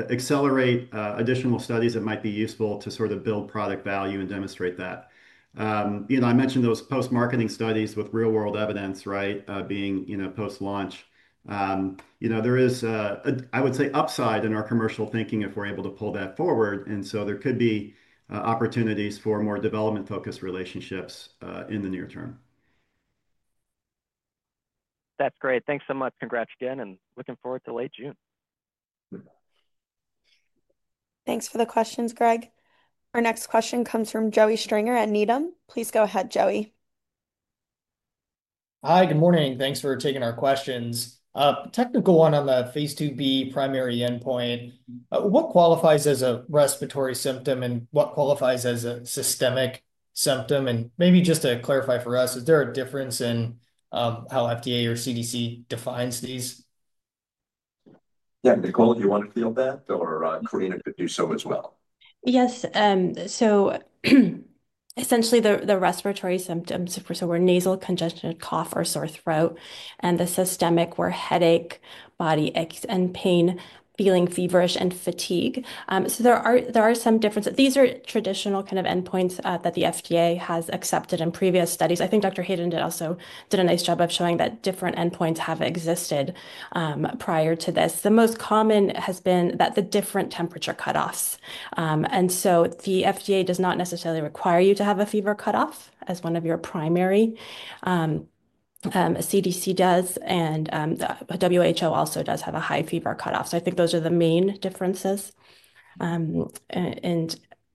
accelerate additional studies that might be useful to sort of build product value and demonstrate that. I mentioned those post-marketing studies with real-world evidence, right, being post-launch. There is, I would say, upside in our commercial thinking if we're able to pull that forward. There could be opportunities for more development-focused relationships in the near term. That's great. Thanks so much. Congrats again, and looking forward to late June. Thanks for the questions, Greg. Our next question comes from Joey Stringer at Needham & Company. Please go ahead, Joey. Hi, good morning. Thanks for taking our questions. Technical one on the phase 2B primary endpoint. What qualifies as a respiratory symptom and what qualifies as a systemic symptom? Maybe just to clarify for us, is there a difference in how FDA or CDC defines these? Yeah, Nicole, do you want to field that, or Corina could do so as well? Yes. Essentially, the respiratory symptoms were nasal congestion, cough, or sore throat, and the systemic were headache, body aches and pain, feeling feverish, and fatigue. There are some differences. These are traditional kind of endpoints that the FDA has accepted in previous studies. I think Dr. Hayden also did a nice job of showing that different endpoints have existed prior to this. The most common has been the different temperature cutoffs. The FDA does not necessarily require you to have a fever cutoff as one of your primary. CDC does, and WHO also does have a high fever cutoff. I think those are the main differences.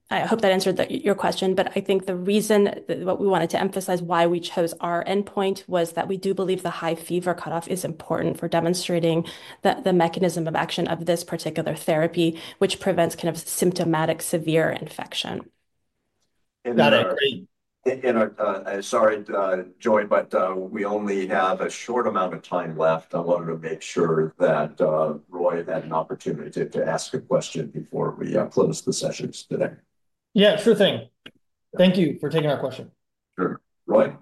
I hope that answered your question, but I think the reason that we wanted to emphasize why we chose our endpoint was that we do believe the high fever cutoff is important for demonstrating the mechanism of action of this particular therapy, which prevents kind of symptomatic severe infection. Sorry, Joy, but we only have a short amount of time left. I wanted to make sure that Roy had an opportunity to ask a question before we close the sessions today. Yeah, sure thing. Thank you for taking our question. Sure. Roy?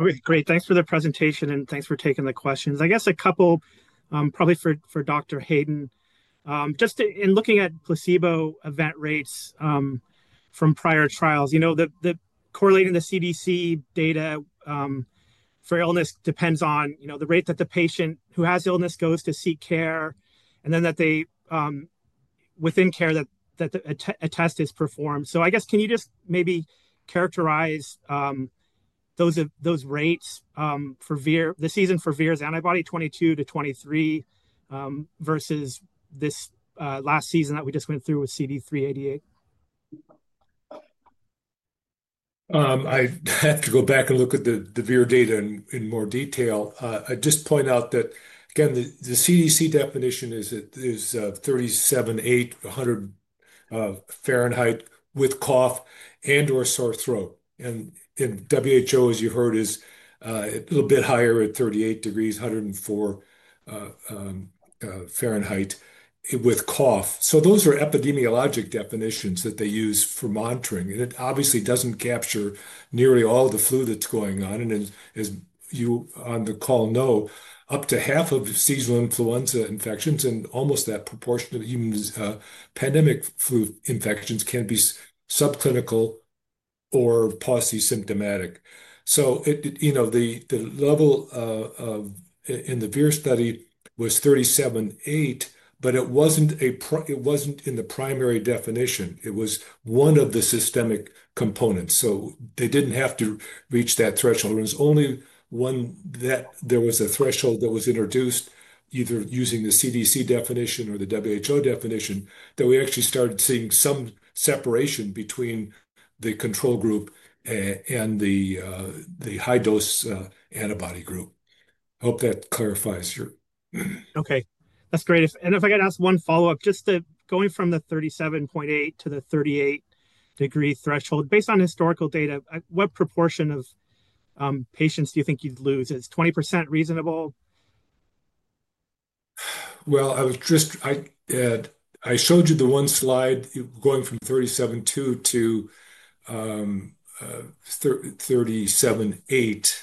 Okay, great. Thanks for the presentation, and thanks for taking the questions. I guess a couple probably for Dr. Hayden. Just in looking at placebo event rates from prior trials, correlating the CDC data for illness depends on the rate that the patient who has illness goes to seek care and then that they within care that a test is performed. I guess can you just maybe characterize those rates for the season for RSV antibody 2022 to 2023 versus this last season that we just went through with CD388? I have to go back and look at the VIR data in more detail. I just point out that, again, the CDC definition is 37.8 degrees Celsius, 100 degrees Fahrenheit with cough and/or sore throat. WHO, as you heard, is a little bit higher at 38 degrees Celsius, 104 degrees Fahrenheit with cough. Those are epidemiologic definitions that they use for monitoring. It obviously does not capture nearly all the flu that is going on. As you on the call know, up to half of seasonal influenza infections and almost that proportion of human pandemic flu infections can be subclinical or paucely symptomatic. The level in the VIR study was 37.8, but it was not in the primary definition. It was one of the systemic components, so they did not have to reach that threshold. There was only one where there was a threshold that was introduced, either using the CDC definition or the WHO definition, that we actually started seeing some separation between the control group and the high-dose antibody group. I hope that clarifies your— okay. That's great. If I could ask one follow-up, just going from the 37.8 to the 38-degree threshold, based on historical data, what proportion of patients do you think you'd lose? Is 20% reasonable? I showed you the one slide going from 37.2 to 37.8.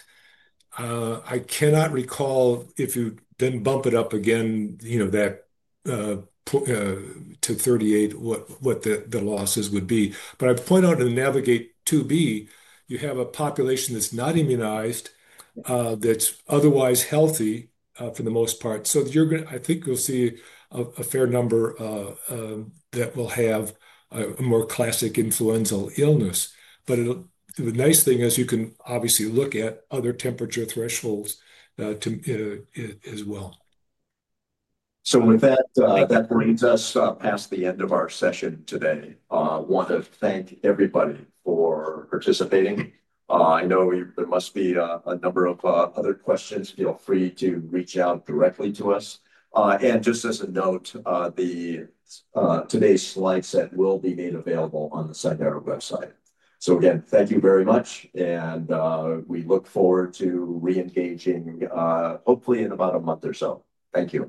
I cannot recall if you then bump it up again to 38, what the losses would be. But I point out in the Navigate phase 2B, you have a population that's not immunized, that's otherwise healthy for the most part. So I think you'll see a fair number that will have a more classic influenza illness. The nice thing is you can obviously look at other temperature thresholds as well. With that, that brings us past the end of our session today. I want to thank everybody for participating. I know there must be a number of other questions. Feel free to reach out directly to us. Just as a note, today's slide set will be made available on the Cidara website. Again, thank you very much. We look forward to reengaging, hopefully, in about a month or so. Thank you.